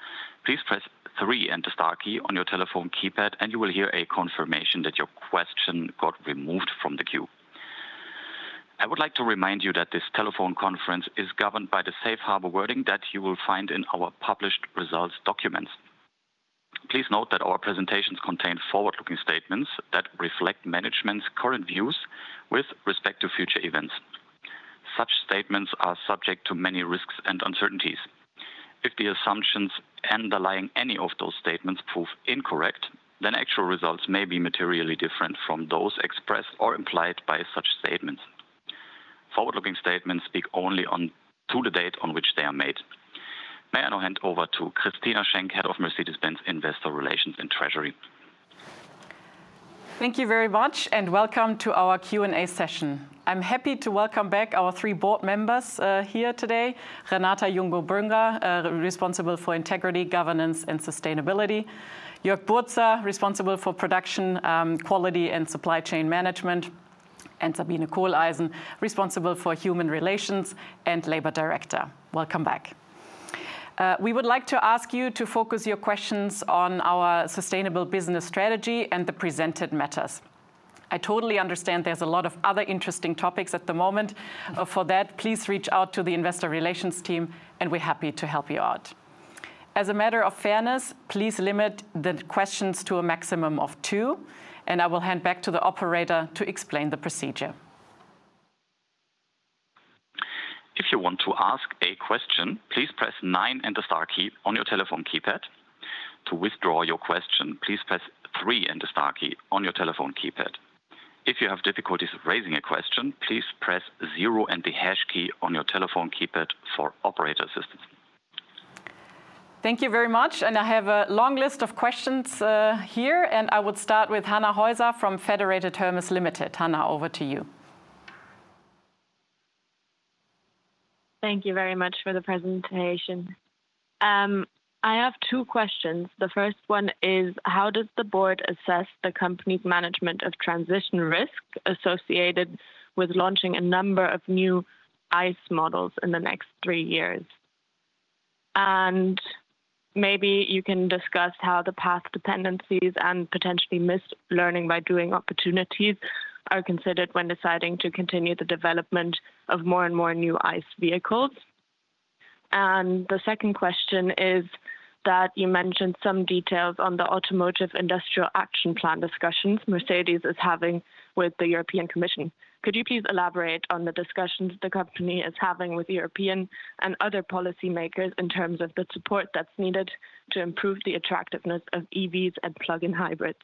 please press 3 and the star key on your telephone keypad, and you will hear a confirmation that your question got removed from the queue. I would like to remind you that this telephone conference is governed by the Safe Harbor wording that you will find in our published results documents. Please note that our presentations contain forward-looking statements that reflect management's current views with respect to future events. Such statements are subject to many risks and uncertainties. If the assumptions underlying any of those statements prove incorrect, then actual results may be materially different from those expressed or implied by such statements. Forward-looking statements speak only to the date on which they are made. May I now hand over to Christina Schenck, Head of Mercedes-Benz Investor Relations and Treasury? Thank you very much, and welcome to our Q&A session. I'm happy to welcome back our three board members here today: Renata Jungo Brünger, responsible for integrity, governance, and sustainability; Jörg Burzer, responsible for production, quality, and supply chain management; and Sabine Kohleisen, responsible for human relations and labor director. Welcome back. We would like to ask you to focus your questions on our sustainable business strategy and the presented matters. I totally understand there's a lot of other interesting topics at the moment. For that, please reach out to the Investor Relations team, and we're happy to help you out. As a matter of fairness, please limit the questions to a maximum of two, and I will hand back to the operator to explain the procedure. If you want to ask a question, please press 9 and the star key on your telephone keypad. To withdraw your question, please press 3 and the star key on your telephone keypad. If you have difficulties raising a question, please press 0 and the hash key on your telephone keypad for operator assistance. Thank you very much, and I have a long list of questions here, and I would start with Hannah Häuser from Federated Hermes Limited. Hannah, over to you. Thank you very much for the presentation. I have two questions. The first one is: How does the board assess the company's management of transition risk associated with launching a number of new ICE models in the next three years? Maybe you can discuss how the path dependencies and potentially mislearning by doing opportunities are considered when deciding to continue the development of more and more new ICE vehicles. The second question is that you mentioned some details on the Automotive Industrial Action Plan discussions Mercedes is having with the European Commission. Could you please elaborate on the discussions the company is having with European and other policymakers in terms of the support that's needed to improve the attractiveness of EVs and plug-in hybrids?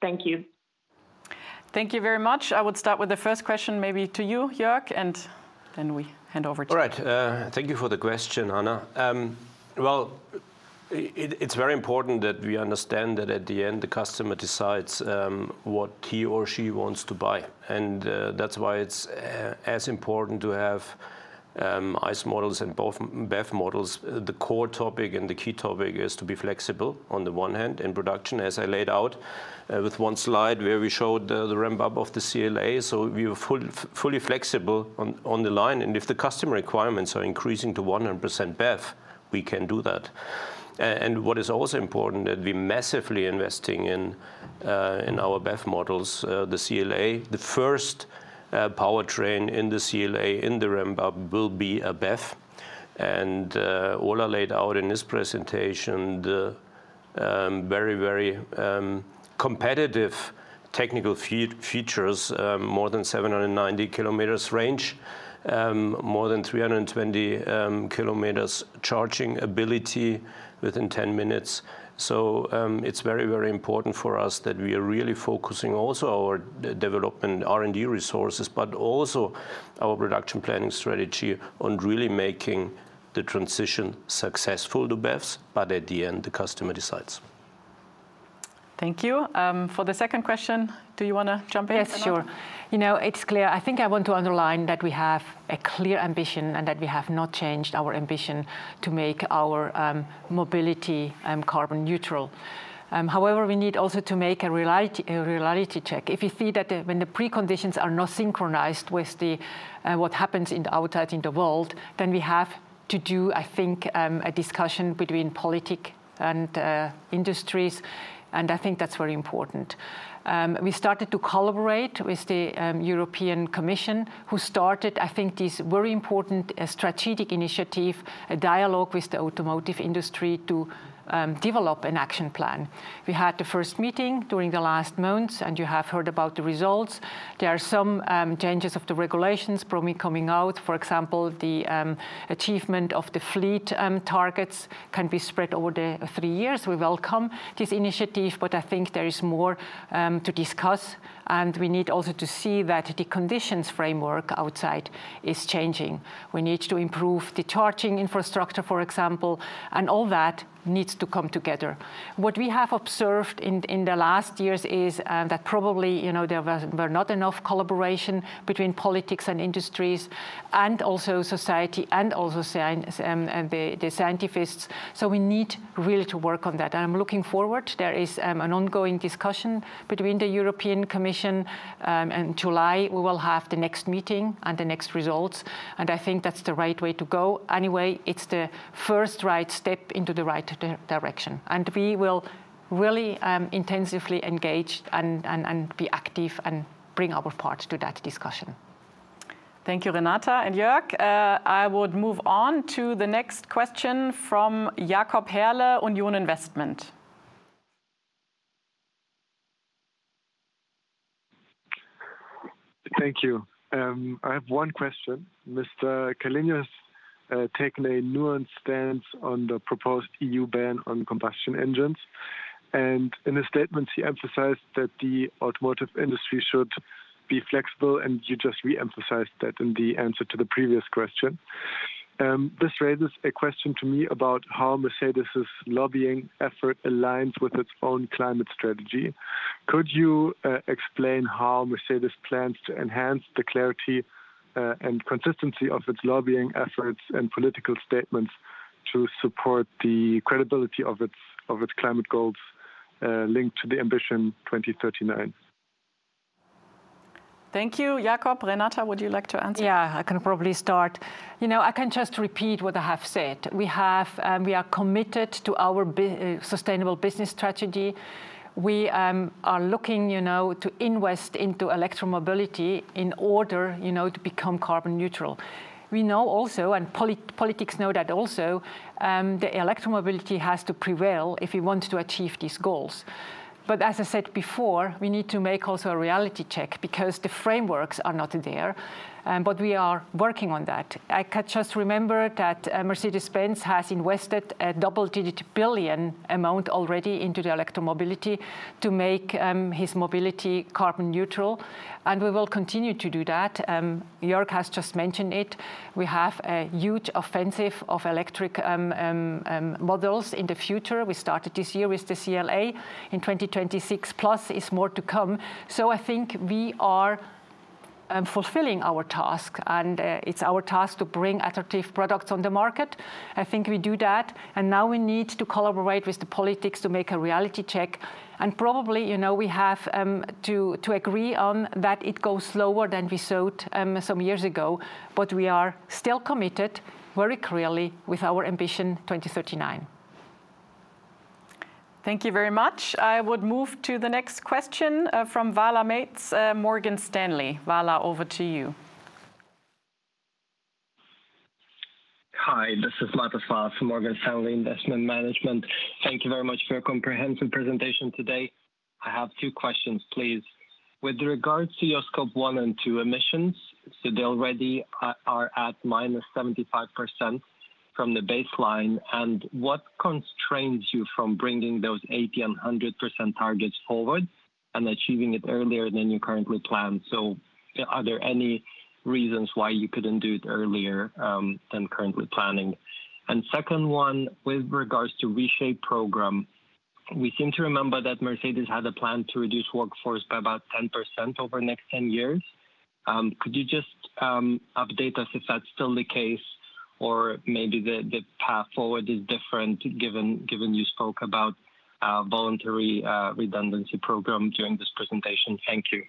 Thank you. Thank you very much. I would start with the first question, maybe to you, Jörg, and then we hand over to you. All right. Thank you for the question, Hannah. It is very important that we understand that at the end, the customer decides what he or she wants to buy. That is why it is as important to have ICE models and both BEV models. The core topic and the key topic is to be flexible on the one hand in production, as I laid out with one slide where we showed the REMBUB of the CLA. We were fully flexible on the line, and if the customer requirements are increasing to 100% BEV, we can do that. What is also important is that we are massively investing in our BEV models, the CLA. The first powertrain in the CLA in the REMBUB will be a BEV. All I laid out in this presentation, the very, very competitive technical features, more than 790 km range, more than 320 km charging ability within 10 minutes. It is very, very important for us that we are really focusing also our development R&D resources, but also our production planning strategy on really making the transition successful to BEVs. At the end, the customer decides. Thank you. For the second question, do you want to jump in? Yes, sure. It is clear. I want to underline that we have a clear ambition and that we have not changed our ambition to make our mobility carbon neutral. However, we need also to make a reality check. If you see that when the preconditions are not synchronized with what happens in the outside in the world, we have to do, a discussion between politics and industries. That is very important. We started to collaborate with the European Commission, who started, this very important strategic initiative, a dialogue with the automotive industry to develop an action plan. We had the first meeting during the last months, and you have heard about the results. There are some changes of the regulations probably coming out. For example, the achievement of the fleet targets can be spread over the three years. We welcome this initiative, but there is more to discuss. We need also to see that the conditions framework outside is changing. We need to improve the charging infrastructure, for example, and all that needs to come together. What we have observed in the last years is that probably there were not enough collaboration between politics and industries and also society and also the scientifics. We need really to work on that. I'm looking forward. There is an ongoing discussion between the European Commission. In July, we will have the next meeting and the next results. That's the right way to go. Anyway, it's the first right step into the right direction. We will really intensively engage and be active and bring our part to that discussion. Thank you, Renata and Jörg. I would move on to the next question from Jakob Herle, Union Investment. Thank you. I have one question. Mr. Källenius has taken a nuanced stance on the proposed EU ban on combustion engines. In his statements, he emphasized that the automotive industry should be flexible, and you just re-emphasized that in the answer to the previous question. This raises a question to me about how Mercedes's lobbying effort aligns with its own climate strategy. Could you explain how Mercedes plans to enhance the clarity and consistency of its lobbying efforts and political statements to support the credibility of its climate goals linked to the Ambition 2039? Thank you. Jakob, Renata, would you like to answer? Yeah, I can probably start. I can just repeat what I have said. We are committed to our sustainable business strategy. We are looking to invest into electromobility in order to become carbon neutral. We know also, and politics know that also, that electromobility has to prevail if we want to achieve these goals. As I said before, we need to make also a reality check because the frameworks are not there. We are working on that. I can just remember that Mercedes-Benz has invested a double-digit billion amount already into the electromobility to make his mobility carbon neutral. We will continue to do that. Jörg has just mentioned it. We have a huge offensive of electric models in the future. We started this year with the CLA. In 2026, plus is more to come. We are fulfilling our task, and it is our task to bring attractive products on the market. We do that and now we need to collaborate with the politics to make a reality check. Probably, you know, we have to agree on that it goes slower than we thought some years ago. We are still committed very clearly with our Ambition 2039. Thank you very much. I would move to the next question from Wahla Maetz, Morgan Stanley. Wahla, over to you. Hi, this is Marta Saar from Morgan Stanley Investment Management. Thank you very much for your comprehensive presentation today. I have two questions, please. With regards to your Scope 1 and 2 emissions, so they already are at minus 75% from the baseline. What constrains you from bringing those 80% and 100% targets forward and achieving it earlier than you currently plan? Are there any reasons why you couldn't do it earlier than currently planning? Second one, with regards to Reshape program, we seem to remember that Mercedes had a plan to reduce workforce by about 10% over the next 10 years. Could you just update us if that's still the case, or maybe the path forward is different given you spoke about a voluntary redundancy program during this presentation? Thank you.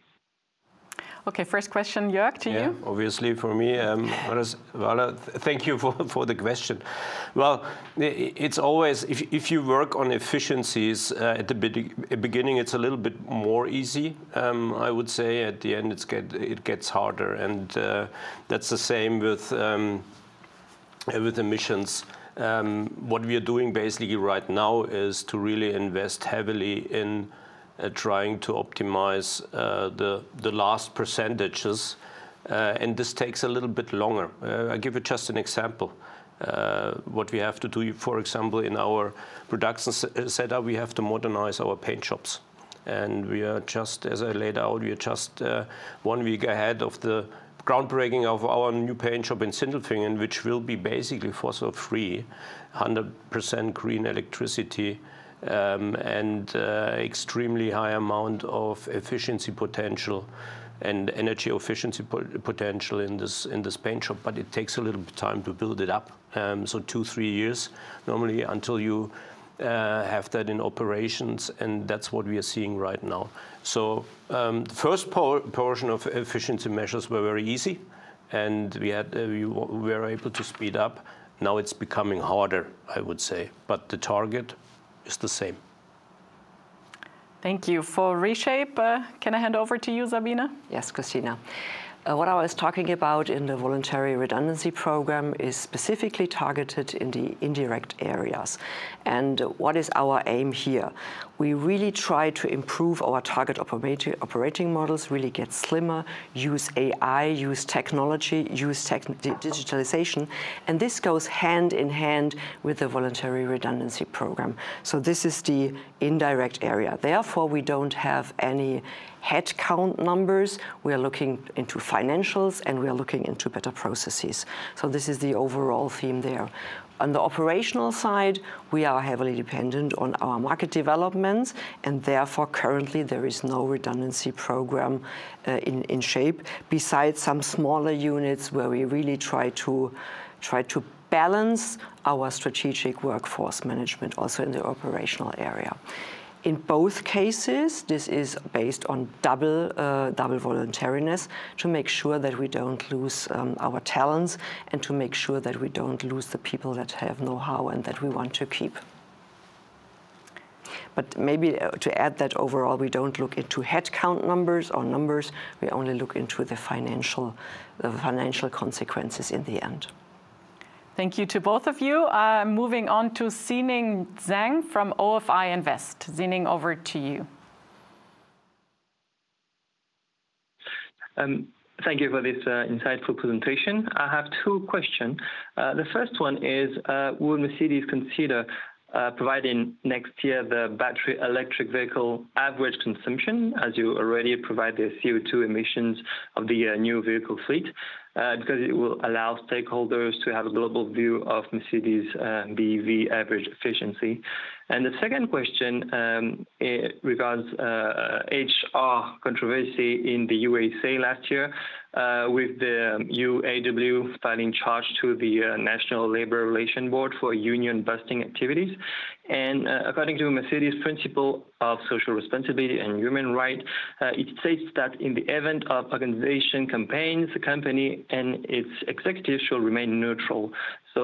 Okay, first question, Jörg, to you. Yeah, obviously for me. Thank you for the question. It's always if you work on efficiencies at the beginning, it's a little bit more easy. I would say at the end, it gets harder. That's the same with emissions. What we are doing basically right now is to really invest heavily in trying to optimize the last percentages. This takes a little bit longer. I'll give you just an example. What we have to do, for example, in our production setup, we have to modernize our paint shops. As I laid out, we are just one week ahead of the groundbreaking of our new paint shop in Sindelfingen, which will be basically fossil-free, 100% green electricity, and an extremely high amount of efficiency potential and energy efficiency potential in this paint shop. It takes a little bit of time to build it up. Two, three years normally until you have that in operations. That's what we are seeing right now. The first portion of efficiency measures were very easy, and we were able to speed up. Now it's becoming harder, I would say. The target is the same. Thank you. For Reshape, can I hand over to you, Sabine? Yes, Christina. What I was talking about in the voluntary redundancy program is specifically targeted in the indirect areas. What is our aim here? We really try to improve our target operating models, really get slimmer, use AI, use technology, use digitalization. This goes hand in hand with the voluntary redundancy program. This is the indirect area. Therefore, we don't have any headcount numbers. We are looking into financials, and we are looking into better processes. This is the overall theme there. On the operational side, we are heavily dependent on our market developments. Therefore, currently, there is no redundancy program in shape besides some smaller units where we really try to balance our strategic workforce management also in the operational area. In both cases, this is based on double voluntariness to make sure that we do not lose our talents and to make sure that we do not lose the people that have know-how and that we want to keep. Maybe to add that overall, we do not look into headcount numbers or numbers. We only look into the financial consequences in the end. Thank you to both of you. Moving on to Xining Zeng from OFI Invest. Xining, over to you. Thank you for this insightful presentation. I have two questions. The first one is, will Mercedes consider providing next year the battery electric vehicle average consumption, as you already provide the CO2 emissions of the new vehicle fleet, because it will allow stakeholders to have a global view of Mercedes' BEV average efficiency? The second question regards HR controversy in the U.S.A last year with the UAW filing charge to the National Labor Relations Board for union-busting activities. According to Mercedes' principle of social responsibility and human rights, it states that in the event of organization campaigns, the company and its executives should remain neutral.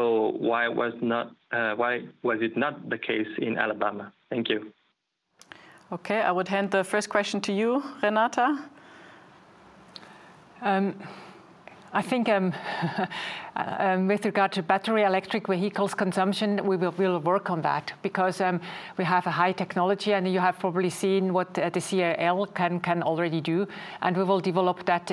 Why was it not the case in Alabama? Thank you. Okay, I would hand the first question to you, Renata. With regard to battery electric vehicles consumption, we will work on that because we have a high technology. You have probably seen what the CLA can already do. We will develop that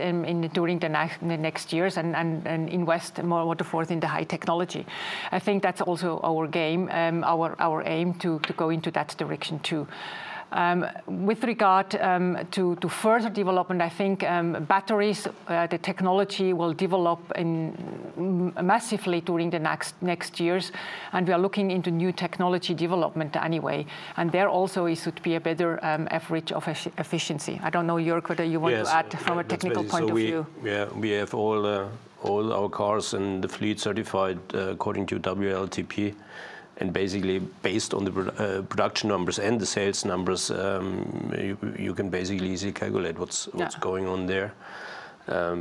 during the next years and invest more and more towards the high technology. That's also our game, our aim to go into that direction too. With regard to further development, batteries, the technology will develop massively during the next years. We are looking into new technology development anyway. There also should be a better average of efficiency. I don't know, Jörg, whether you want to add from a technical point of view. Yeah, we have all our cars in the fleet certified according to WLTP. Basically, based on the production numbers and the sales numbers, you can basically easily calculate what's going on there.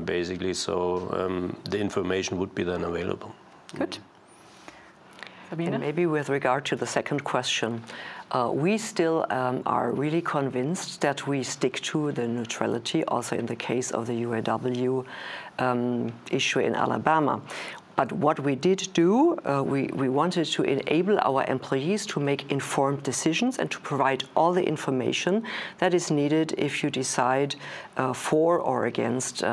Basically, the information would be then available. Good. Sabine? Maybe with regard to the second question. We still are really convinced that we stick to the neutrality also in the case of the UAW issue in Alabama. What we did do, we wanted to enable our employees to make informed decisions and to provide all the information that is needed if you decide for or against the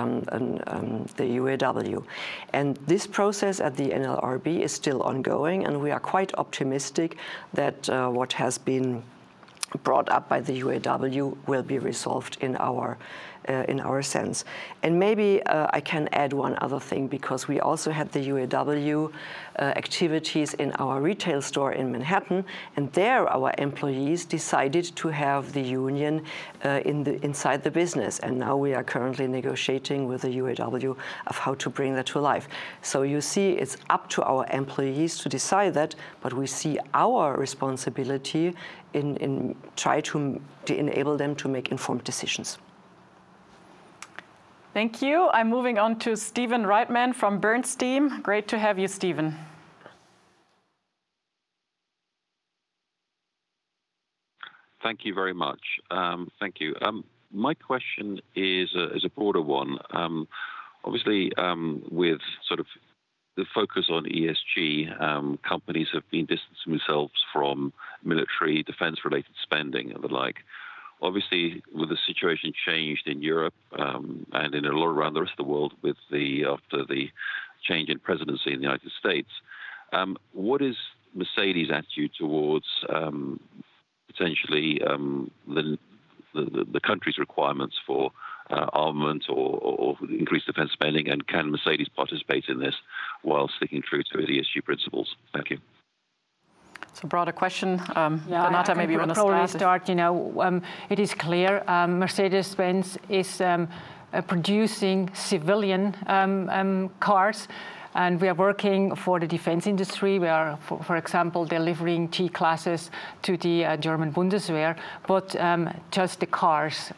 UAW. This process at the NLRB is still ongoing. We are quite optimistic that what has been brought up by the UAW will be resolved in our sense. Maybe I can add one other thing because we also had the UAW activities in our retail store in Manhattan. There, our employees decided to have the union inside the business. Now we are currently negotiating with the UAW of how to bring that to life. You see, it's up to our employees to decide that. We see our responsibility in trying to enable them to make informed decisions. Thank you. I'm moving on to Steven Reitman from Bernstein. Great to have you, Steven. Thank you very much. My question is a broader one. Obviously, with the focus on ESG, companies have been distancing themselves from military defense-related spending and the like. Obviously, with the situation changed in Europe and in a lot around the rest of the world after the change in presidency in the United States, what is Mercedes' attitude towards potentially the country's requirements for armament or increased defense spending? Can Mercedes participate in this while sticking true to the ESG principles? Thank you. It's a broader question. Renata, maybe you want to start. You know, it is clear Mercedes-Benz is producing civilian cars. We are working for the defense industry. We are, for example, delivering T-Class to the German Bundeswehr. Just the cars.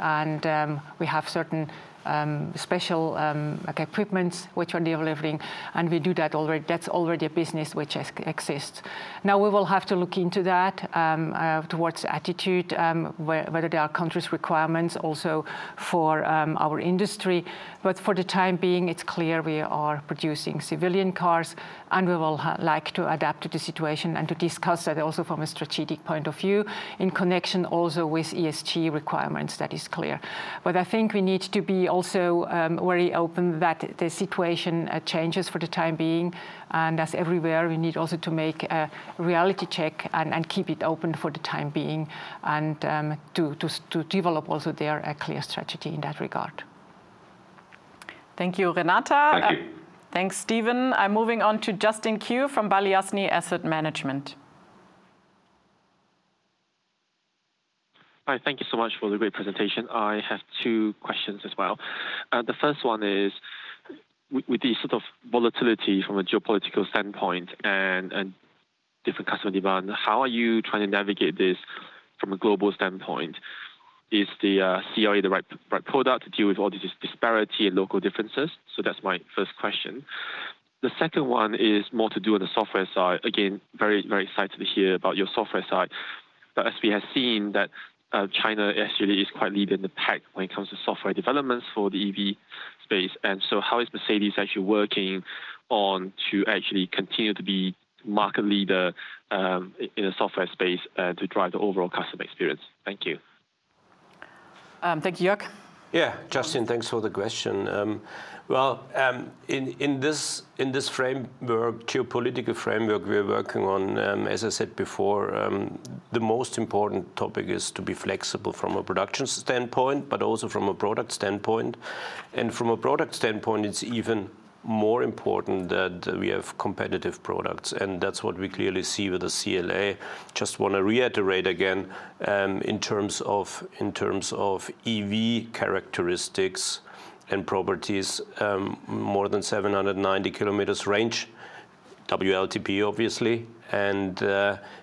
We have certain special equipment which we are delivering. We do that already. That is already a business which exists. Now, we will have to look into that towards attitude, whether there are countries' requirements also for our industry. For the time being, it is clear we are producing civilian cars. We will like to adapt to the situation and to discuss that also from a strategic point of view in connection also with ESG requirements. That is clear. We need to be also very open that the situation changes for the time being. As everywhere, we need also to make a reality check and keep it open for the time being and to develop also their clear strategy in that regard. Thank you, Renata. Thanks, Steven. I'm moving on to Justin Kew from Balyasny Asset Management. Hi, thank you so much for the great presentation. I have two questions as well. The first one is, with the volatility from a geopolitical standpoint and different customer demand, how are you trying to navigate this from a global standpoint? Is the CLA the right product to deal with all this disparity and local differences? That is my first question. The second one is more to do on the software side. Again, very excited to hear about your software side. As we have seen, China actually is quite leading the pack when it comes to software developments for the EV space. How is Mercedes actually working on to actually continue to be market leader in the software space and to drive the overall customer experience? Thank you. Thank you, Jörg. Yeah, Justin, thanks for the question. In this geopolitical framework we're working on, as I said before, the most important topic is to be flexible from a production standpoint, but also from a product standpoint. From a product standpoint, it's even more important that we have competitive products. That's what we clearly see with the CLA. I just want to reiterate again in terms of EV characteristics and properties, more than 790 kilometers range, WLTP, obviously, and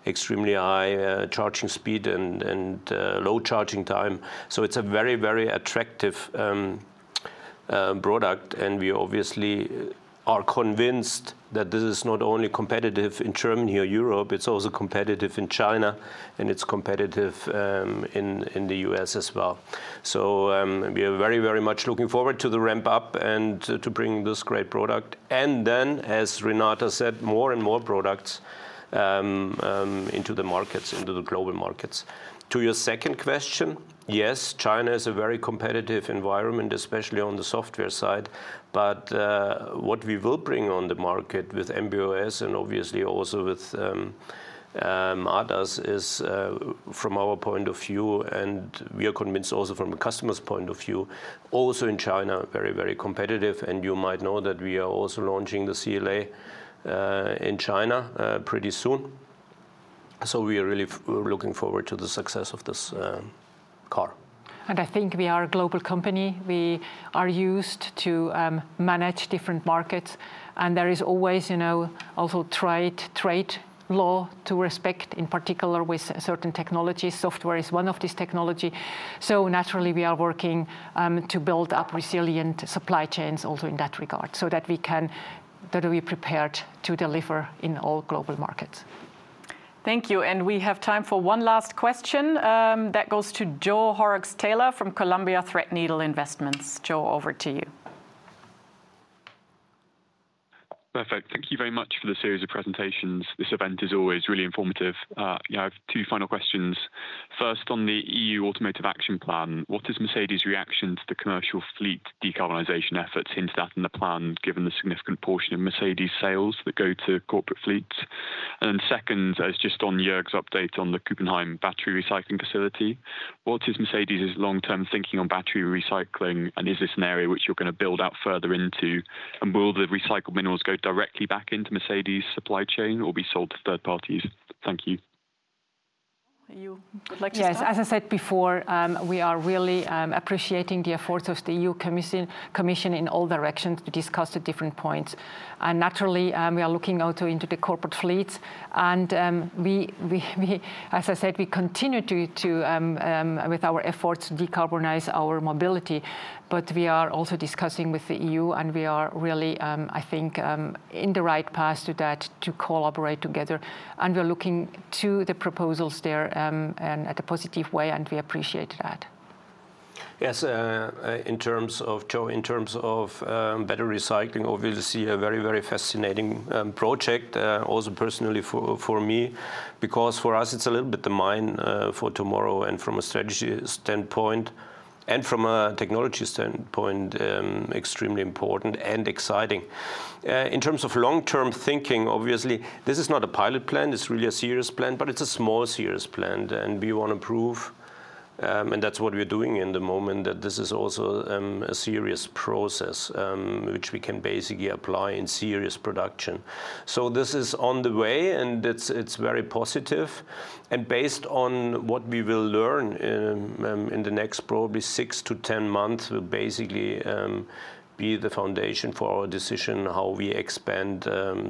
extremely high charging speed and low charging time. It is a very, very attractive product. We obviously are convinced that this is not only competitive in Germany or Europe, it's also competitive in China. It's competitive in the U.S. as well. We are very, very much looking forward to the ramp-up and to bringing this great product. As Renata said, more and more products into the markets, into the global markets. To your second question, yes, China is a very competitive environment, especially on the software side. What we will bring on the market with MBOS and obviously also with others is, from our point of view, and we are convinced also from a customer's point of view, also in China, very, very competitive. You might know that we are also launching the CLA in China pretty soon. We are really looking forward to the success of this car. We are a global company. We are used to manage different markets. There is always also trade law to respect, in particular with certain technologies. Software is one of these technologies. Naturally, we are working to build up resilient supply chains also in that regard so that we can be prepared to deliver in all global markets. Thank you. We have time for one last question that goes to Joel Horrocks Taylor from Columbia Threadneedle Investments. Joel, over to you. Perfect. Thank you very much for the series of presentations. This event is always really informative. I have two final questions. First, on the EU Automotive Action Plan, what is Mercedes' reaction to the commercial fleet decarbonization efforts hinted at in the plan, given the significant portion of Mercedes' sales that go to corporate fleets? Then second, just on Jörg's update on the Copenhagen battery recycling facility, what is Mercedes' long-term thinking on battery recycling? Is this an area which you're going to build out further into? Will the recycled minerals go directly back into Mercedes' supply chain or be sold to third parties? Thank you. You would like to start? Yes, as I said before, we are really appreciating the efforts of the EU Commission in all directions to discuss the different points. Naturally, we are looking also into the corporate fleets. As I said, we continue to, with our efforts, decarbonize our mobility. We are also discussing with the EU. We are really, on the right path to that, to collaborate together. We are looking to the proposals there in a positive way. We appreciate that. Yes, in terms of, Joel, in terms of battery recycling, obviously a very, very fascinating project, also personally for me, because for us, it's a little bit the mine for tomorrow and from a strategy standpoint and from a technology standpoint, extremely important and exciting. In terms of long-term thinking, obviously, this is not a pilot plant. It's really a serious plant, but it's a small serious plant. We want to prove, and that's what we're doing in the moment, that this is also a serious process which we can basically apply in serious production. This is on the way. It's very positive. Based on what we will learn in the next probably 6-10 months, will basically be the foundation for our decision on how we expand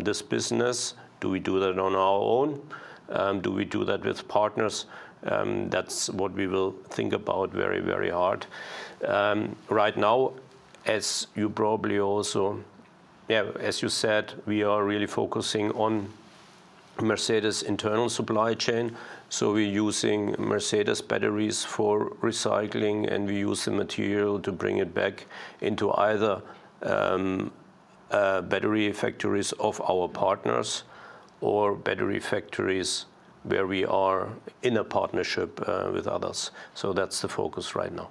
this business. Do we do that on our own? Do we do that with partners? That's what we will think about very, very hard. Right now, as you probably also, yeah, as you said, we are really focusing on Mercedes' internal supply chain. We're using Mercedes batteries for recycling. We use the material to bring it back into either battery factories of our partners or battery factories where we are in a partnership with others. That's the focus right now.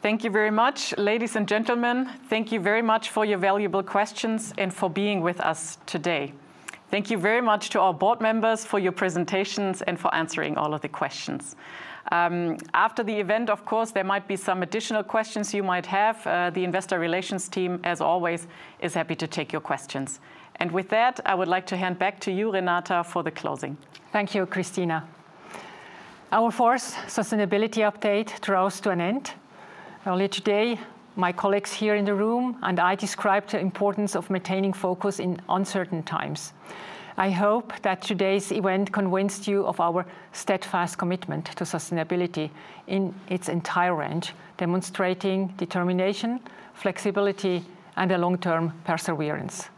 Thank you very much, ladies and gentlemen. Thank you very much for your valuable questions and for being with us today. Thank you very much to our board members for your presentations and for answering all of the questions. After the event, of course, there might be some additional questions you might have. The investor relations team, as always, is happy to take your questions. With that, I would like to hand back to you, Renata, for the closing. Thank you, Christina. Our fourth sustainability update draws to an end. Earlier today, my colleagues here in the room and I described the importance of maintaining focus in uncertain times. I hope that today's event convinced you of our steadfast commitment to sustainability in its entire range, demonstrating determination, flexibility, and a long-term perseverance.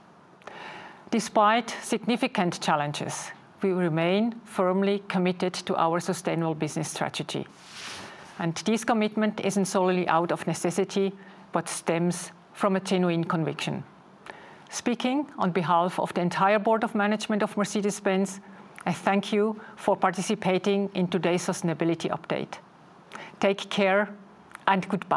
Despite significant challenges, we remain firmly committed to our sustainable business strategy. This commitment isn't solely out of necessity, but stems from a genuine conviction. Speaking on behalf of the entire Board of Management of Mercedes-Benz, I thank you for participating in today's sustainability update. Take care and goodbye.